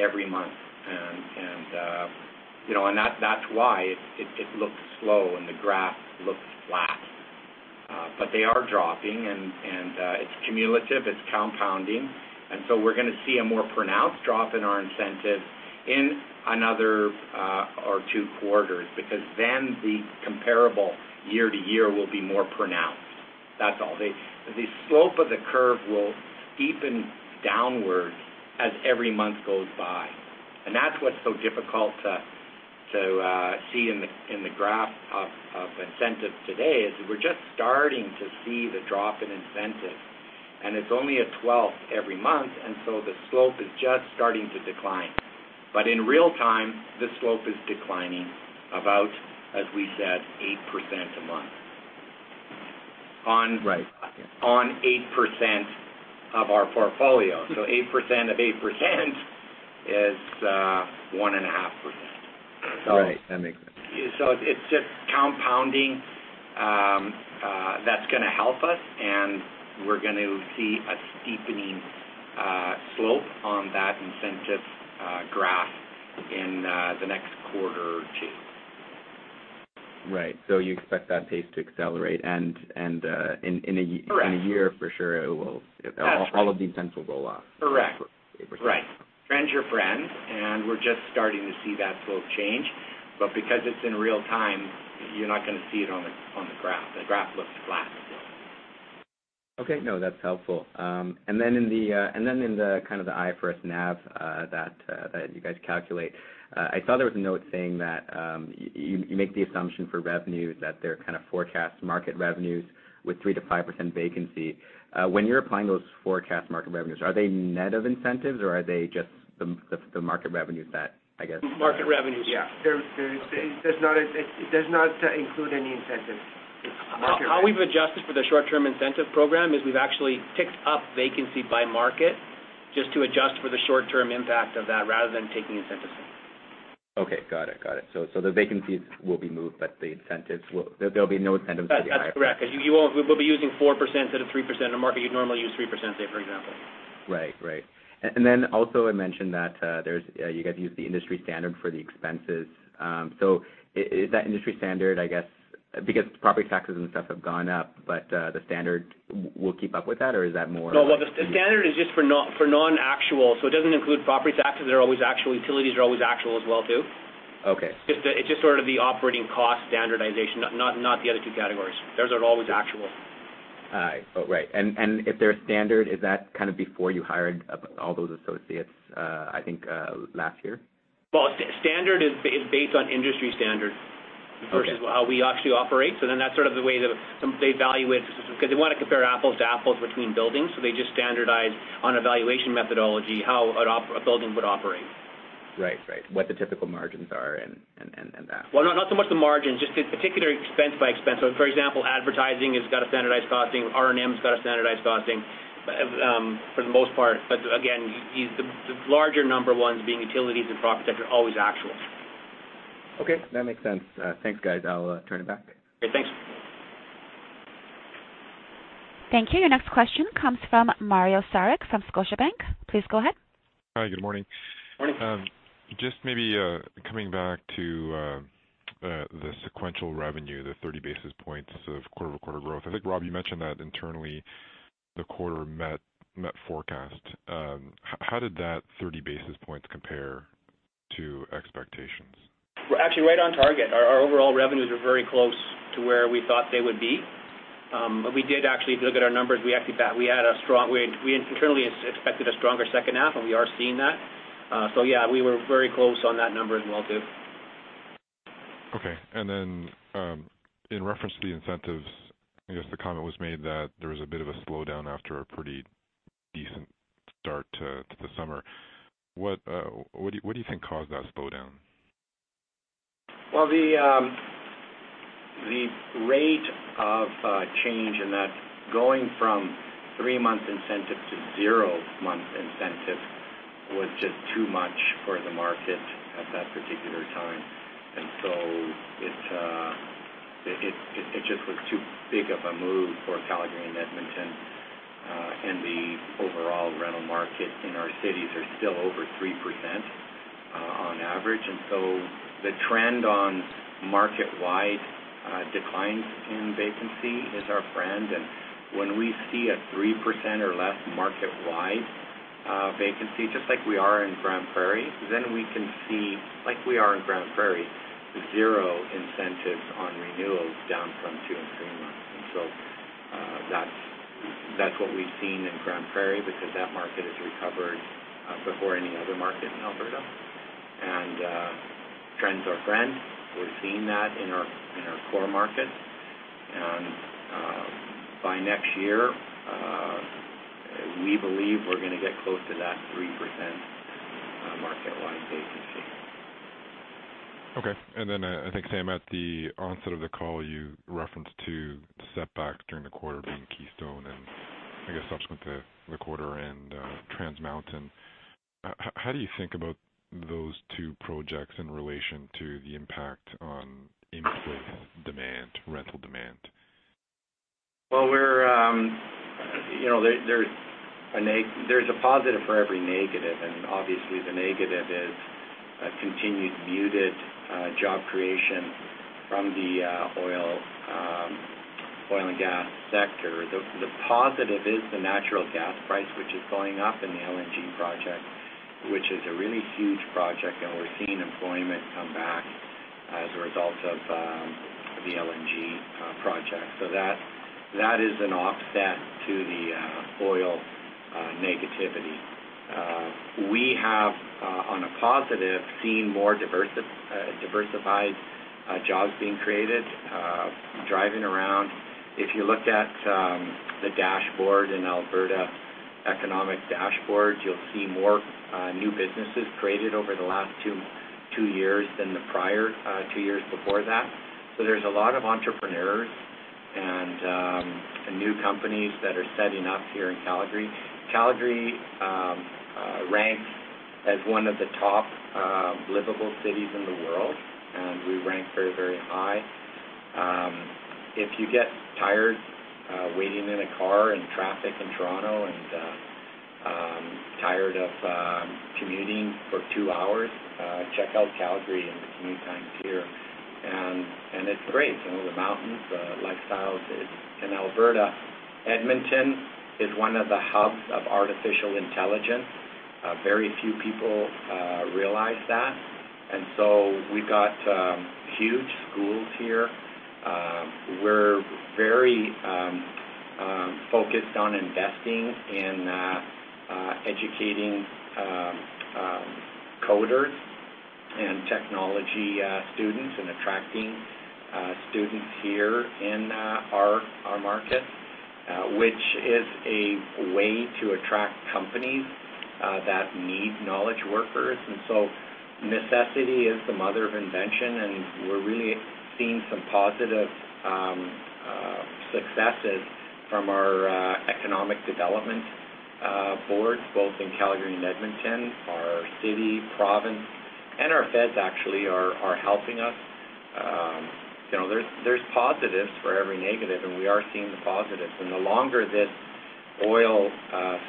every month. That's why it looks slow, and the graph looks flat. They are dropping, and it's cumulative, it's compounding. We're going to see a more pronounced drop in our incentives in one or two quarters because then the comparable year-to-year will be more pronounced. That's all. The slope of the curve will steepen downwards as every month goes by. That's what's so difficult to see in the graph of incentives today, is we're just starting to see the drop in incentives, it's only a 12th every month, the slope is just starting to decline. In real-time, the slope is declining about, as we said, 8% a month. Right. On 8% of our portfolio. 8% of 8% is 1.5%. Right. That makes sense. It's just compounding that's going to help us, and we're going to see a steepening slope on that incentives graph in the next quarter or two. Right. You expect that pace to accelerate. Correct In a year for sure, all of the incentives will roll off. Correct. Right. Trend's your friend, we're just starting to see that slope change. Because it's in real-time, you're not going to see it on the graph. The graph looks flat still. Okay. No, that's helpful. In the IFRS NAV that you guys calculate, I saw there was a note saying that you make the assumption for revenues, that they're kind of forecast market revenues with 3%-5% vacancy. When you're applying those forecast market revenues, are they net of incentives or are they just the market revenues that? Market revenues. Yeah. It does not include any incentives. It's market revenues. How we've adjusted for the short-term incentive program is we've actually ticked up vacancy by market just to adjust for the short-term impact of that rather than taking incentives in. Okay. Got it. The vacancies will be moved, but there'll be no incentives for the IFRS. That's correct. We'll be using 4% instead of 3% in a market you'd normally use 3%, say, for example. Right. Also it mentioned that you guys use the industry standard for the expenses. Is that industry standard, I guess, because property taxes and stuff have gone up, but the standard will keep up with that or is that? No. The standard is just for non-actual. It doesn't include property taxes. They're always actual. Utilities are always actual as well, too. Okay. It's just sort of the operating cost standardization, not the other two categories. Those are always actual. All right. If they're standard, is that before you hired all those associates, I think last year? Well, standard is based on industry standard. Okay versus how we actually operate. That's the way they evaluate, because they want to compare apples to apples between buildings, so they just standardize on evaluation methodology, how a building would operate. Right. What the typical margins are and that. Well, not so much the margins, just particular expense by expense. For example, advertising has got a standardized costing. R&M's got a standardized costing, for the most part. Again, the larger number ones being utilities and profit that are always actual. Okay. That makes sense. Thanks, guys. I'll turn it back. Okay, thanks. Thank you. Your next question comes from Mario Saric from Scotiabank. Please go ahead. Hi, good morning. Morning. Maybe coming back to the sequential revenue, the 30 basis points of quarter-over-quarter growth. I think, Rob, you mentioned that internally the quarter met forecast. How did that 30 basis points compare to expectations? We're actually right on target. Our overall revenues are very close to where we thought they would be. If you look at our numbers, we internally expected a stronger second half, and we are seeing that. Yeah, we were very close on that number as well, too. Okay, in reference to the incentives, I guess the comment was made that there was a bit of a slowdown after a pretty decent start to the summer. What do you think caused that slowdown? The rate of change in that going from three-month incentive to zero-month incentive was just too much for the market at that particular time. It just was too big of a move for Calgary and Edmonton. The overall rental market in our cities are still over 3% on average. The trend on market-wide declines in vacancy is our friend. When we see a 3% or less market-wide vacancy, just like we are in Grande Prairie, then we can see, like we are in Grande Prairie, zero incentives on renewals down from two and three months. That's what we've seen in Grande Prairie because that market has recovered before any other market in Alberta. Trend's our friend. We're seeing that in our core markets. By next year, we believe we're going to get close to that 3% market-wide vacancy. Okay. I think, Sam, at the onset of the call, you referenced two setbacks during the quarter being Keystone and I guess subsequent to the quarter and Trans Mountain. How do you think about those two projects in relation to the impact on inflation demand, rental demand? There's a positive for every negative, obviously the negative is a continued muted job creation from the oil and gas sector. The positive is the natural gas price, which is going up in the LNG project, which is a really huge project, and we're seeing employment come back as a result of the LNG project. That is an offset to the oil negativity. We have, on a positive, seen more diversified jobs being created. Driving around, if you looked at the dashboard in Alberta, economic dashboard, you'll see more new businesses created over the last two years than the prior two years before that. There's a lot of entrepreneurs and new companies that are setting up here in Calgary. Calgary ranks as one of the top livable cities in the world, we rank very high. If you get tired waiting in a car in traffic in Toronto and tired of commuting for two hours, check out Calgary and the commute times here. It's great, the mountains, the lifestyles in Alberta. Edmonton is one of the hubs of artificial intelligence. Very few people realize that. We've got huge schools here. We're very focused on investing in educating coders and technology students and attracting students here in our market, which is a way to attract companies that need knowledge workers. Necessity is the mother of invention, and we're really seeing some positive successes from our economic development boards, both in Calgary and Edmonton. Our city, province, and our feds actually are helping us. There's positives for every negative, we are seeing the positives. The longer this oil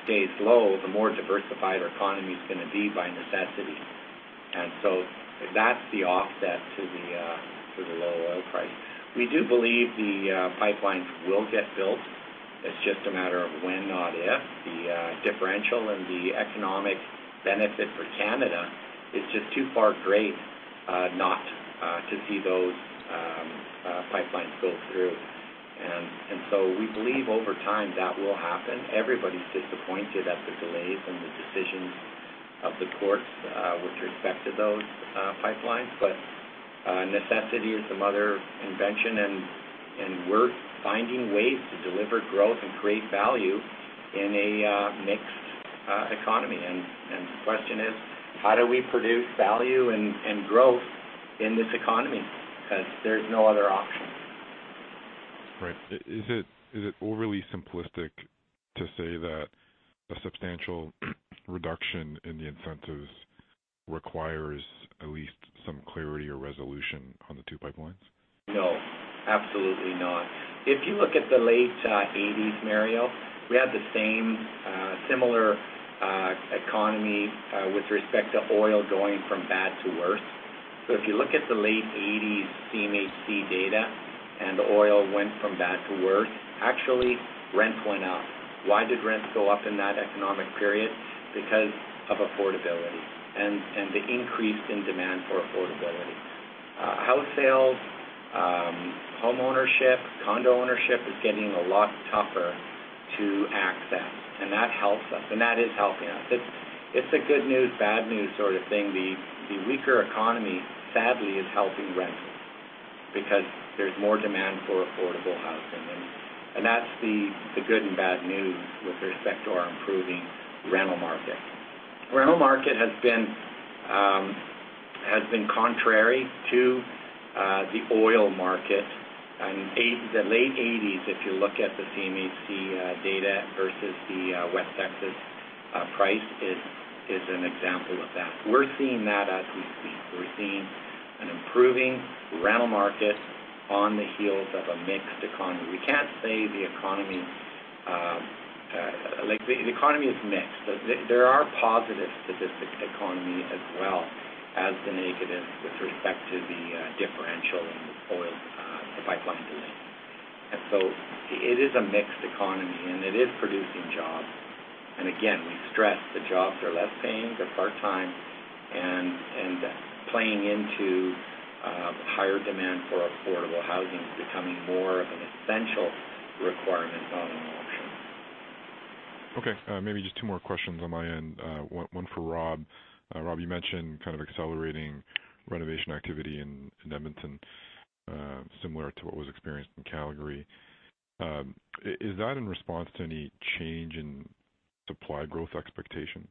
stays low, the more diversified our economy's going to be by necessity. That's the offset to the low oil price. We do believe the pipelines will get built. It's just a matter of when, not if. The differential and the economic benefit for Canada is just too great not to see those pipelines go through. We believe over time that will happen. Everybody's disappointed at the delays and the decisions of the courts with respect to those pipelines. Necessity is the mother of invention, and we're finding ways to deliver growth and create value in a mixed economy. The question is, how do we produce value and growth in this economy? There's no other option. Right. Is it overly simplistic to say that a substantial reduction in the incentives requires at least some clarity or resolution on the two pipelines? No, absolutely not. If you look at the late 1980s, Mario, we had the same similar economy with respect to oil going from bad to worse. If you look at the late 1980s CMHC data, and oil went from bad to worse, actually rent went up. Why did rents go up in that economic period? Of affordability and the increase in demand for affordability. House sales, homeownership, condo ownership is getting a lot tougher to access, and that helps us, and that is helping us. It's a good news, bad news sort of thing. The weaker economy, sadly, is helping rentals because there's more demand for affordable housing. That's the good and bad news with respect to our improving rental market. Rental market has been contrary to the oil market. The late 1980s, if you look at the CMHC data versus the West Texas price, is an example of that. We're seeing that as we speak. We're seeing an improving rental market on the heels of a mixed economy. The economy is mixed. There are positive statistics economy as well as the negatives with respect to the differential in the oil, the pipeline delay. It is a mixed economy, and it is producing jobs. Again, we stress the jobs are less paying, they're part-time, and playing into higher demand for affordable housing is becoming more of an essential requirement going long-term. Okay, maybe just two more questions on my end. One for Rob. Rob, you mentioned kind of accelerating renovation activity in Edmonton similar to what was experienced in Calgary. Is that in response to any change in supply growth expectations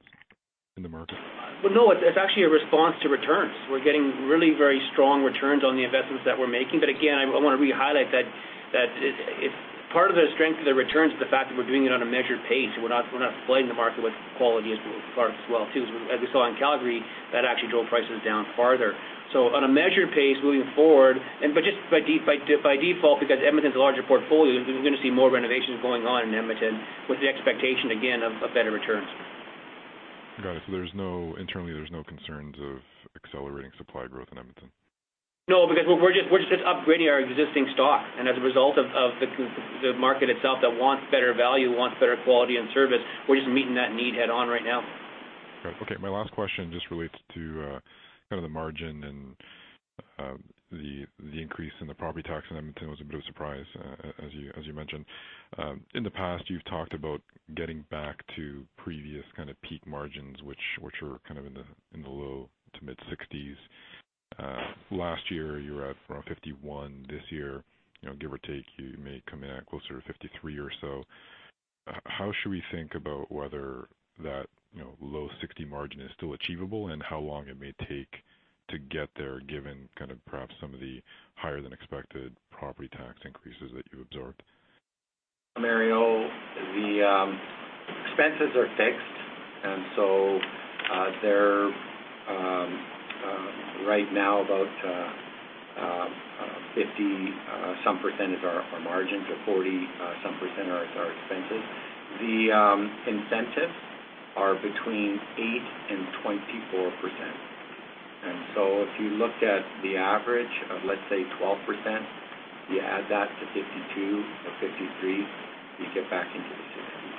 in the market? Well, no, it's actually a response to returns. We're getting really very strong returns on the investments that we're making. Again, I want to re-highlight that part of the strength of the returns is the fact that we're doing it on a measured pace, we're not flooding the market with quality as far as well, too. As we saw in Calgary, that actually drove prices down farther. On a measured pace moving forward, and by default because Edmonton's a larger portfolio, we're going to see more renovations going on in Edmonton with the expectation, again, of better returns. Got it. Internally, there's no concerns of accelerating supply growth in Edmonton? No, because we're just upgrading our existing stock, as a result of the market itself that wants better value, wants better quality and service, we're just meeting that need head on right now. Okay. My last question just relates to kind of the margin and the increase in the property tax, and Edmonton was a bit of a surprise as you mentioned. In the past, you've talked about getting back to previous kind of peak margins, which were kind of in the low to mid-60s. Last year, you were at around 51. This year, give or take, you may come in at closer to 53 or so. How should we think about whether that low 60 margin is still achievable and how long it may take to get there given kind of perhaps some of the higher-than-expected property tax increases that you absorbed? Mario, the expenses are fixed, they're right now about 50 some percent of our margins or 40 some percent are our expenses. The incentives are between 8% and 24%. If you looked at the average of, let's say, 12%, you add that to 52 or 53, you get back into the 60s.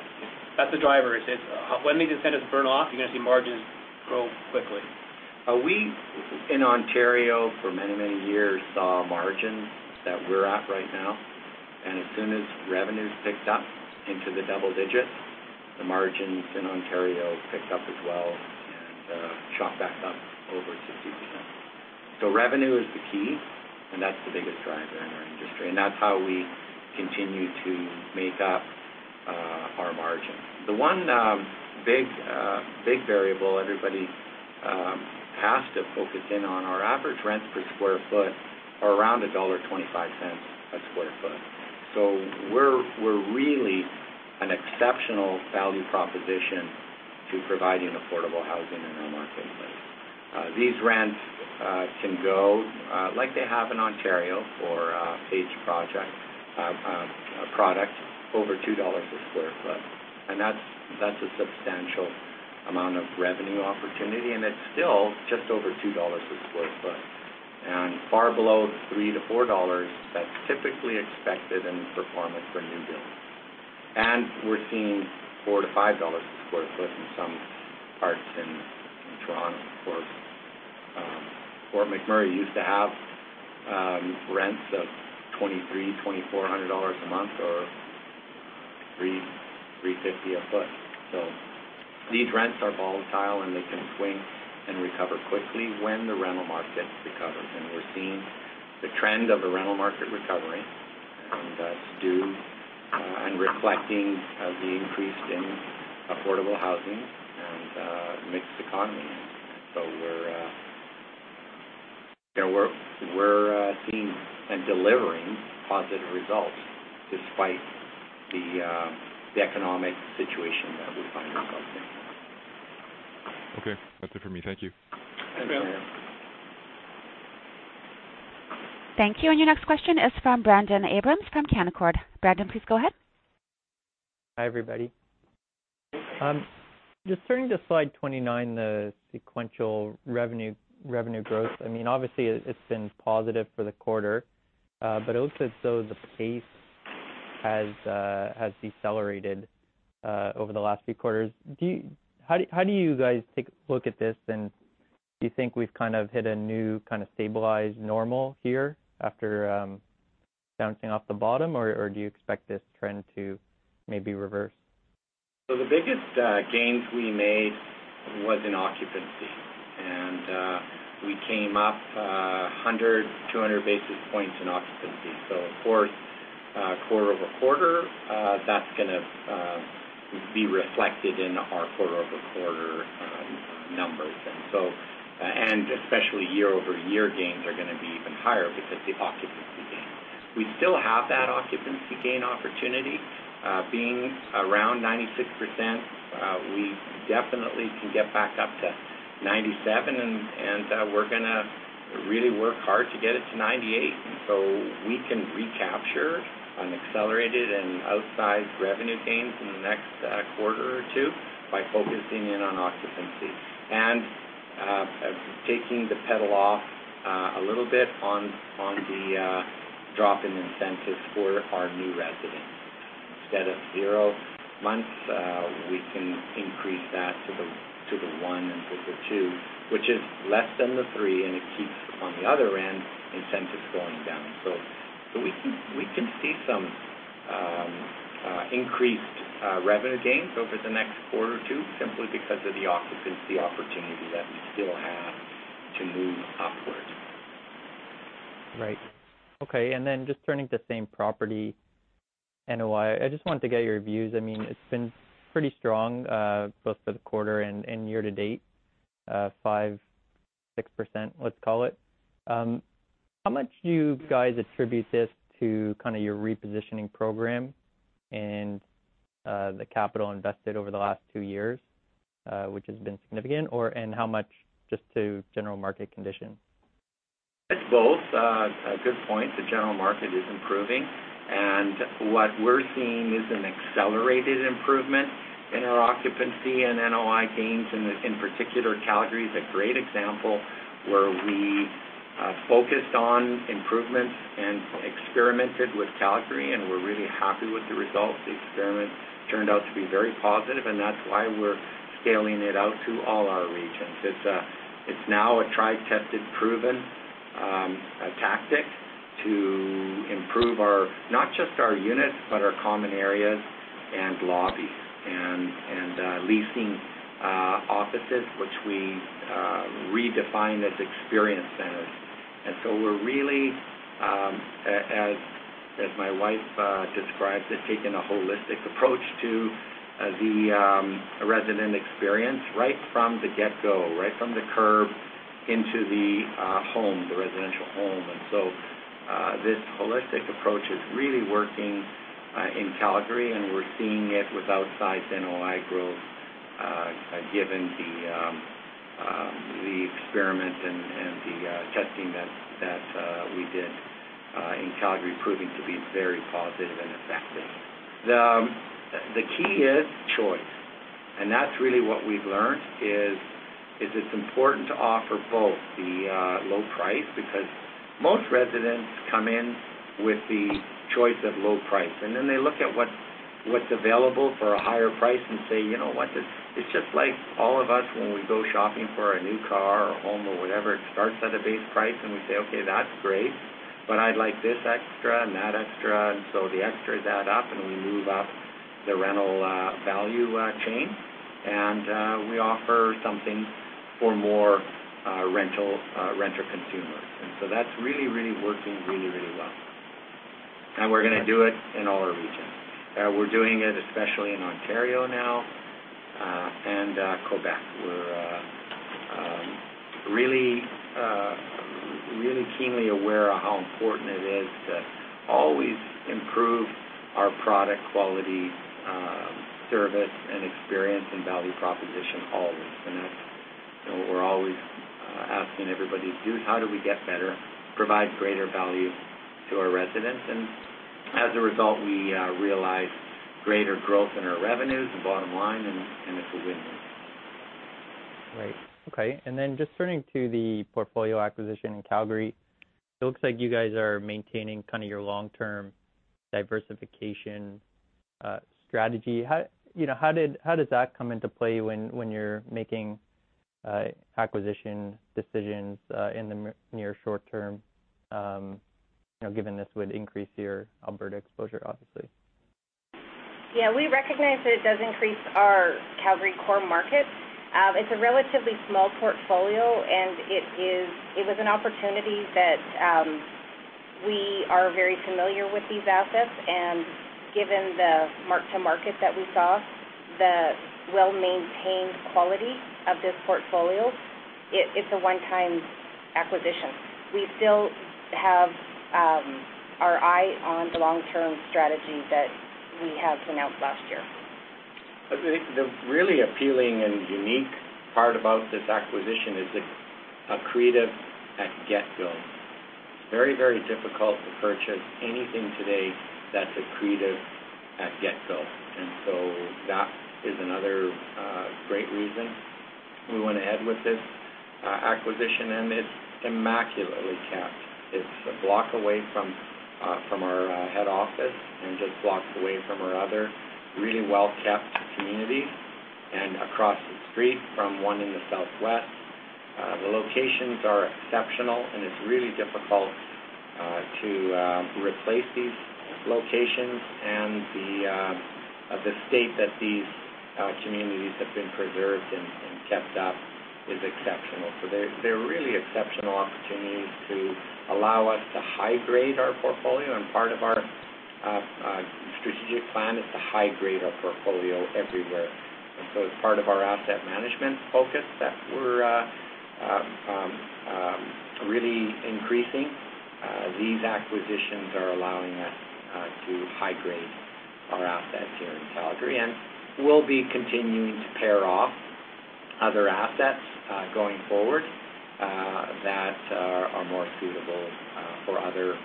That's the driver is when these incentives burn off, you're going to see margins grow quickly. We, in Ontario, for many, many years, saw margins that we're at right now, as soon as revenues picked up into the double digits, the margins in Ontario picked up as well and shot back up over 60%. Revenue is the key, that's the biggest driver in our industry, that's how we continue to make up our margin. The one big variable everybody has to focus in on, our average rents per square foot are around dollar 1.25 a square foot. We're really an exceptional value proposition to providing affordable housing in our marketplace. These rents can go, like they have in Ontario for a page product, over 2 dollars a square foot. That's a substantial amount of revenue opportunity, and it's still just over 2 dollars a square foot and far below $3 to $4 that's typically expected in performance for new builds. We're seeing $4 to $5 a square foot in some parts in Toronto, of course. Fort McMurray used to have rents of 2,300 dollars, CAD 2,400 a month or 300, 350 dollars a foot. These rents are volatile, and they can swing and recover quickly when the rental market recovers. We're seeing the trend of the rental market recovering, and that's due and reflecting the increase in affordable housing and mixed economy. We're seeing and delivering positive results despite the economic situation that we find ourselves in. Okay. That's it for me. Thank you.. Thank you. Your next question is from Brendon Abrams from Canaccord. Brendon, please go ahead. Hi, everybody. Just turning to slide 29, the sequential revenue growth. Obviously, it has been positive for the quarter, but it looks as though the pace has decelerated over the last few quarters. How do you guys take a look at this, and do you think we have kind of hit a new kind of stabilized normal here after bouncing off the bottom, or do you expect this trend to maybe reverse? The biggest gains we made was in occupancy, and we came up 100, 200 basis points in occupancy. Of course, quarter-over-quarter, that is going to be reflected in our quarter-over-quarter numbers. Especially year-over-year gains are going to be even higher because of the occupancy gains. We still have that occupancy gain opportunity. Being around 96%, we definitely can get back up to 97%, and we are going to really work hard to get it to 98%. We can recapture an accelerated and outsized revenue gains in the next quarter or two by focusing in on occupancy. Taking the pedal off a little bit on the drop in incentives for our new residents. Instead of zero months, we can increase that to the one and to the two, which is less than the three, and it keeps, on the other end, incentives going down. We can see some increased revenue gains over the next quarter or two simply because of the occupancy opportunity that we still have to move upwards. Right. Just turning to same property NOI. I just wanted to get your views. It has been pretty strong both for the quarter and year to date. 5%, 6%, let us call it. How much do you guys attribute this to kind of your repositioning program and the capital invested over the last two years, which has been significant, or/and how much just to general market condition? It's both. A good point. What we're seeing is an accelerated improvement in our occupancy and NOI gains. In particular, Calgary is a great example where we focused on improvements and experimented with Calgary. We're really happy with the results. The experiment turned out to be very positive. That's why we're scaling it out to all our regions. It's now a tried, tested, proven tactic to improve not just our units, but our common areas and lobbies. Leasing offices, which we redefined as experience centers. We're really, as my wife describes it, taking a holistic approach to the resident experience, right from the get-go, right from the curb into the home, the residential home. This holistic approach is really working in Calgary. We're seeing it with outsized NOI growth, given the experiment and the testing that we did in Calgary proving to be very positive and effective. The key is choice. That's really what we've learned, is it's important to offer both the low price, because most residents come in with the choice of low price. Then they look at what's available for a higher price and say, "You know what?" It's just like all of us when we go shopping for a new car or a home or whatever. It starts at a base price. We say, "Okay, that's great, but I'd like this extra and that extra." The extras add up. We move up the rental value chain. We offer something for more renter consumers. That's really working really well. We're going to do it in all our regions. We're doing it especially in Ontario now, Quebec. We're really keenly aware of how important it is to always improve our product quality, service, and experience and value proposition always. That's what we're always asking everybody to do is how do we get better, provide greater value to our residents? As a result, we realize greater growth in our revenues and bottom line. It's a win-win. Right. Okay. Then just turning to the portfolio acquisition in Calgary, it looks like you guys are maintaining your long-term diversification strategy. How does that come into play when you're making acquisition decisions in the near short-term, given this would increase your Alberta exposure, obviously? Yeah, we recognize that it does increase our Calgary core market. It's a relatively small portfolio, and it was an opportunity that we are very familiar with these assets. Given the mark-to-market that we saw, the well-maintained quality of this portfolio, it's a one-time acquisition. We still have our eye on the long-term strategy that we had announced last year. The really appealing and unique part about this acquisition is it's accretive at get-go. It's very, very difficult to purchase anything today that's accretive at get-go. That is another great reason we went ahead with this acquisition. It's immaculately kept. It's a block away from our head office, and just blocks away from our other really well-kept communities, and across the street from one in the southwest. The locations are exceptional, and it's really difficult to replace these locations. The state that these communities have been preserved in and kept up is exceptional. They're really exceptional opportunities to allow us to high-grade our portfolio. Part of our strategic plan is to high-grade our portfolio everywhere. As part of our asset management focus that we're really increasing, these acquisitions are allowing us to high-grade our assets here in Calgary. We'll be continuing to pare off other assets going forward that are more suitable for other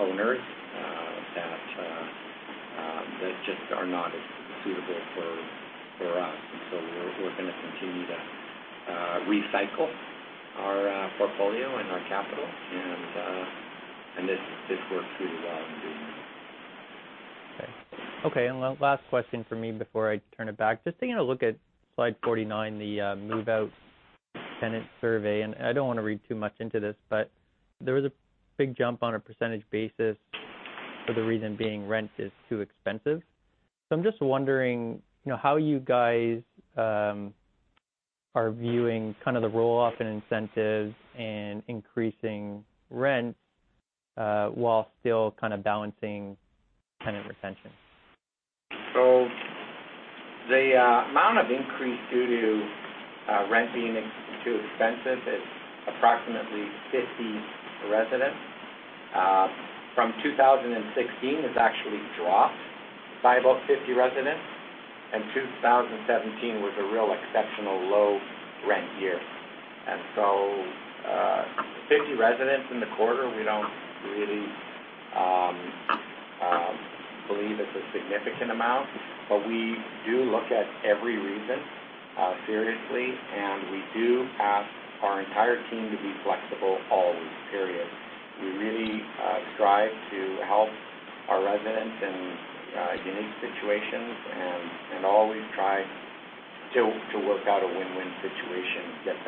owners, that just are not as suitable for us. We're going to continue to recycle our portfolio and our capital. This works really well indeed. Okay. One last question from me before I turn it back. Just taking a look at slide 49, the move-out tenant survey. I don't want to read too much into this, but there was a big jump on a % basis for the reason being rent is too expensive. I'm just wondering how you guys are viewing the roll-off in incentives and increasing rents while still balancing tenant retention. The amount of increase due to rent being too expensive is approximately 50 residents. From 2016, it's actually dropped by about 50 residents. 2017 was a real exceptional low-rent year. 50 residents in the quarter, we don't really believe it's a significant amount. We do look at every reason seriously, and we do ask our entire team to be flexible always, period. We really strive to help our residents in unique situations, and always try to work out a win-win situation to get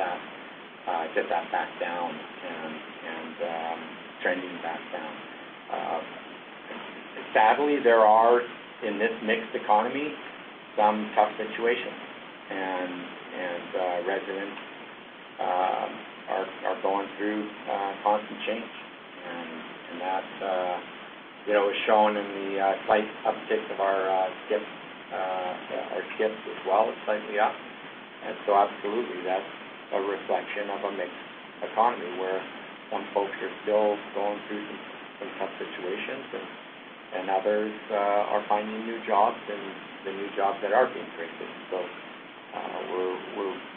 that back down and trending back down. Sadly, there are, in this mixed economy, some tough situations, and residents are going through constant change. That was shown in the slight uptick of our skips as well. It's slightly up. Absolutely, that's a reflection of a mixed economy where some folks are still going through some tough situations, and others are finding new jobs and the new jobs that are being created.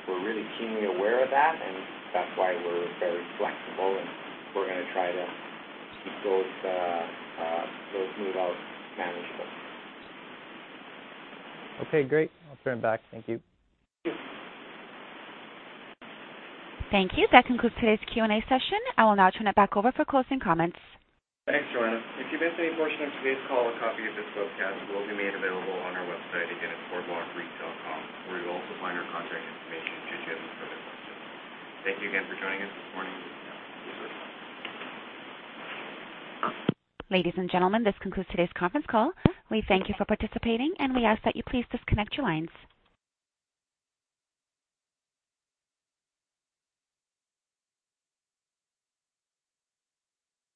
We're really keenly aware of that, and that's why we're very flexible, and we're going to try to keep those move-outs manageable. Okay, great. I'll turn it back. Thank you. Thank you. Thank you. That concludes today's Q&A session. I will now turn it back over for closing comments. Thanks, Joanna. If you missed any portion of today's call, a copy of this webcast will be made available on our website. Again, it's bwalk.com, where you'll also find our contact information should you have any further questions. Thank you again for joining us this morning. Ladies and gentlemen, this concludes today's conference call. We thank you for participating, and we ask that you please disconnect your lines.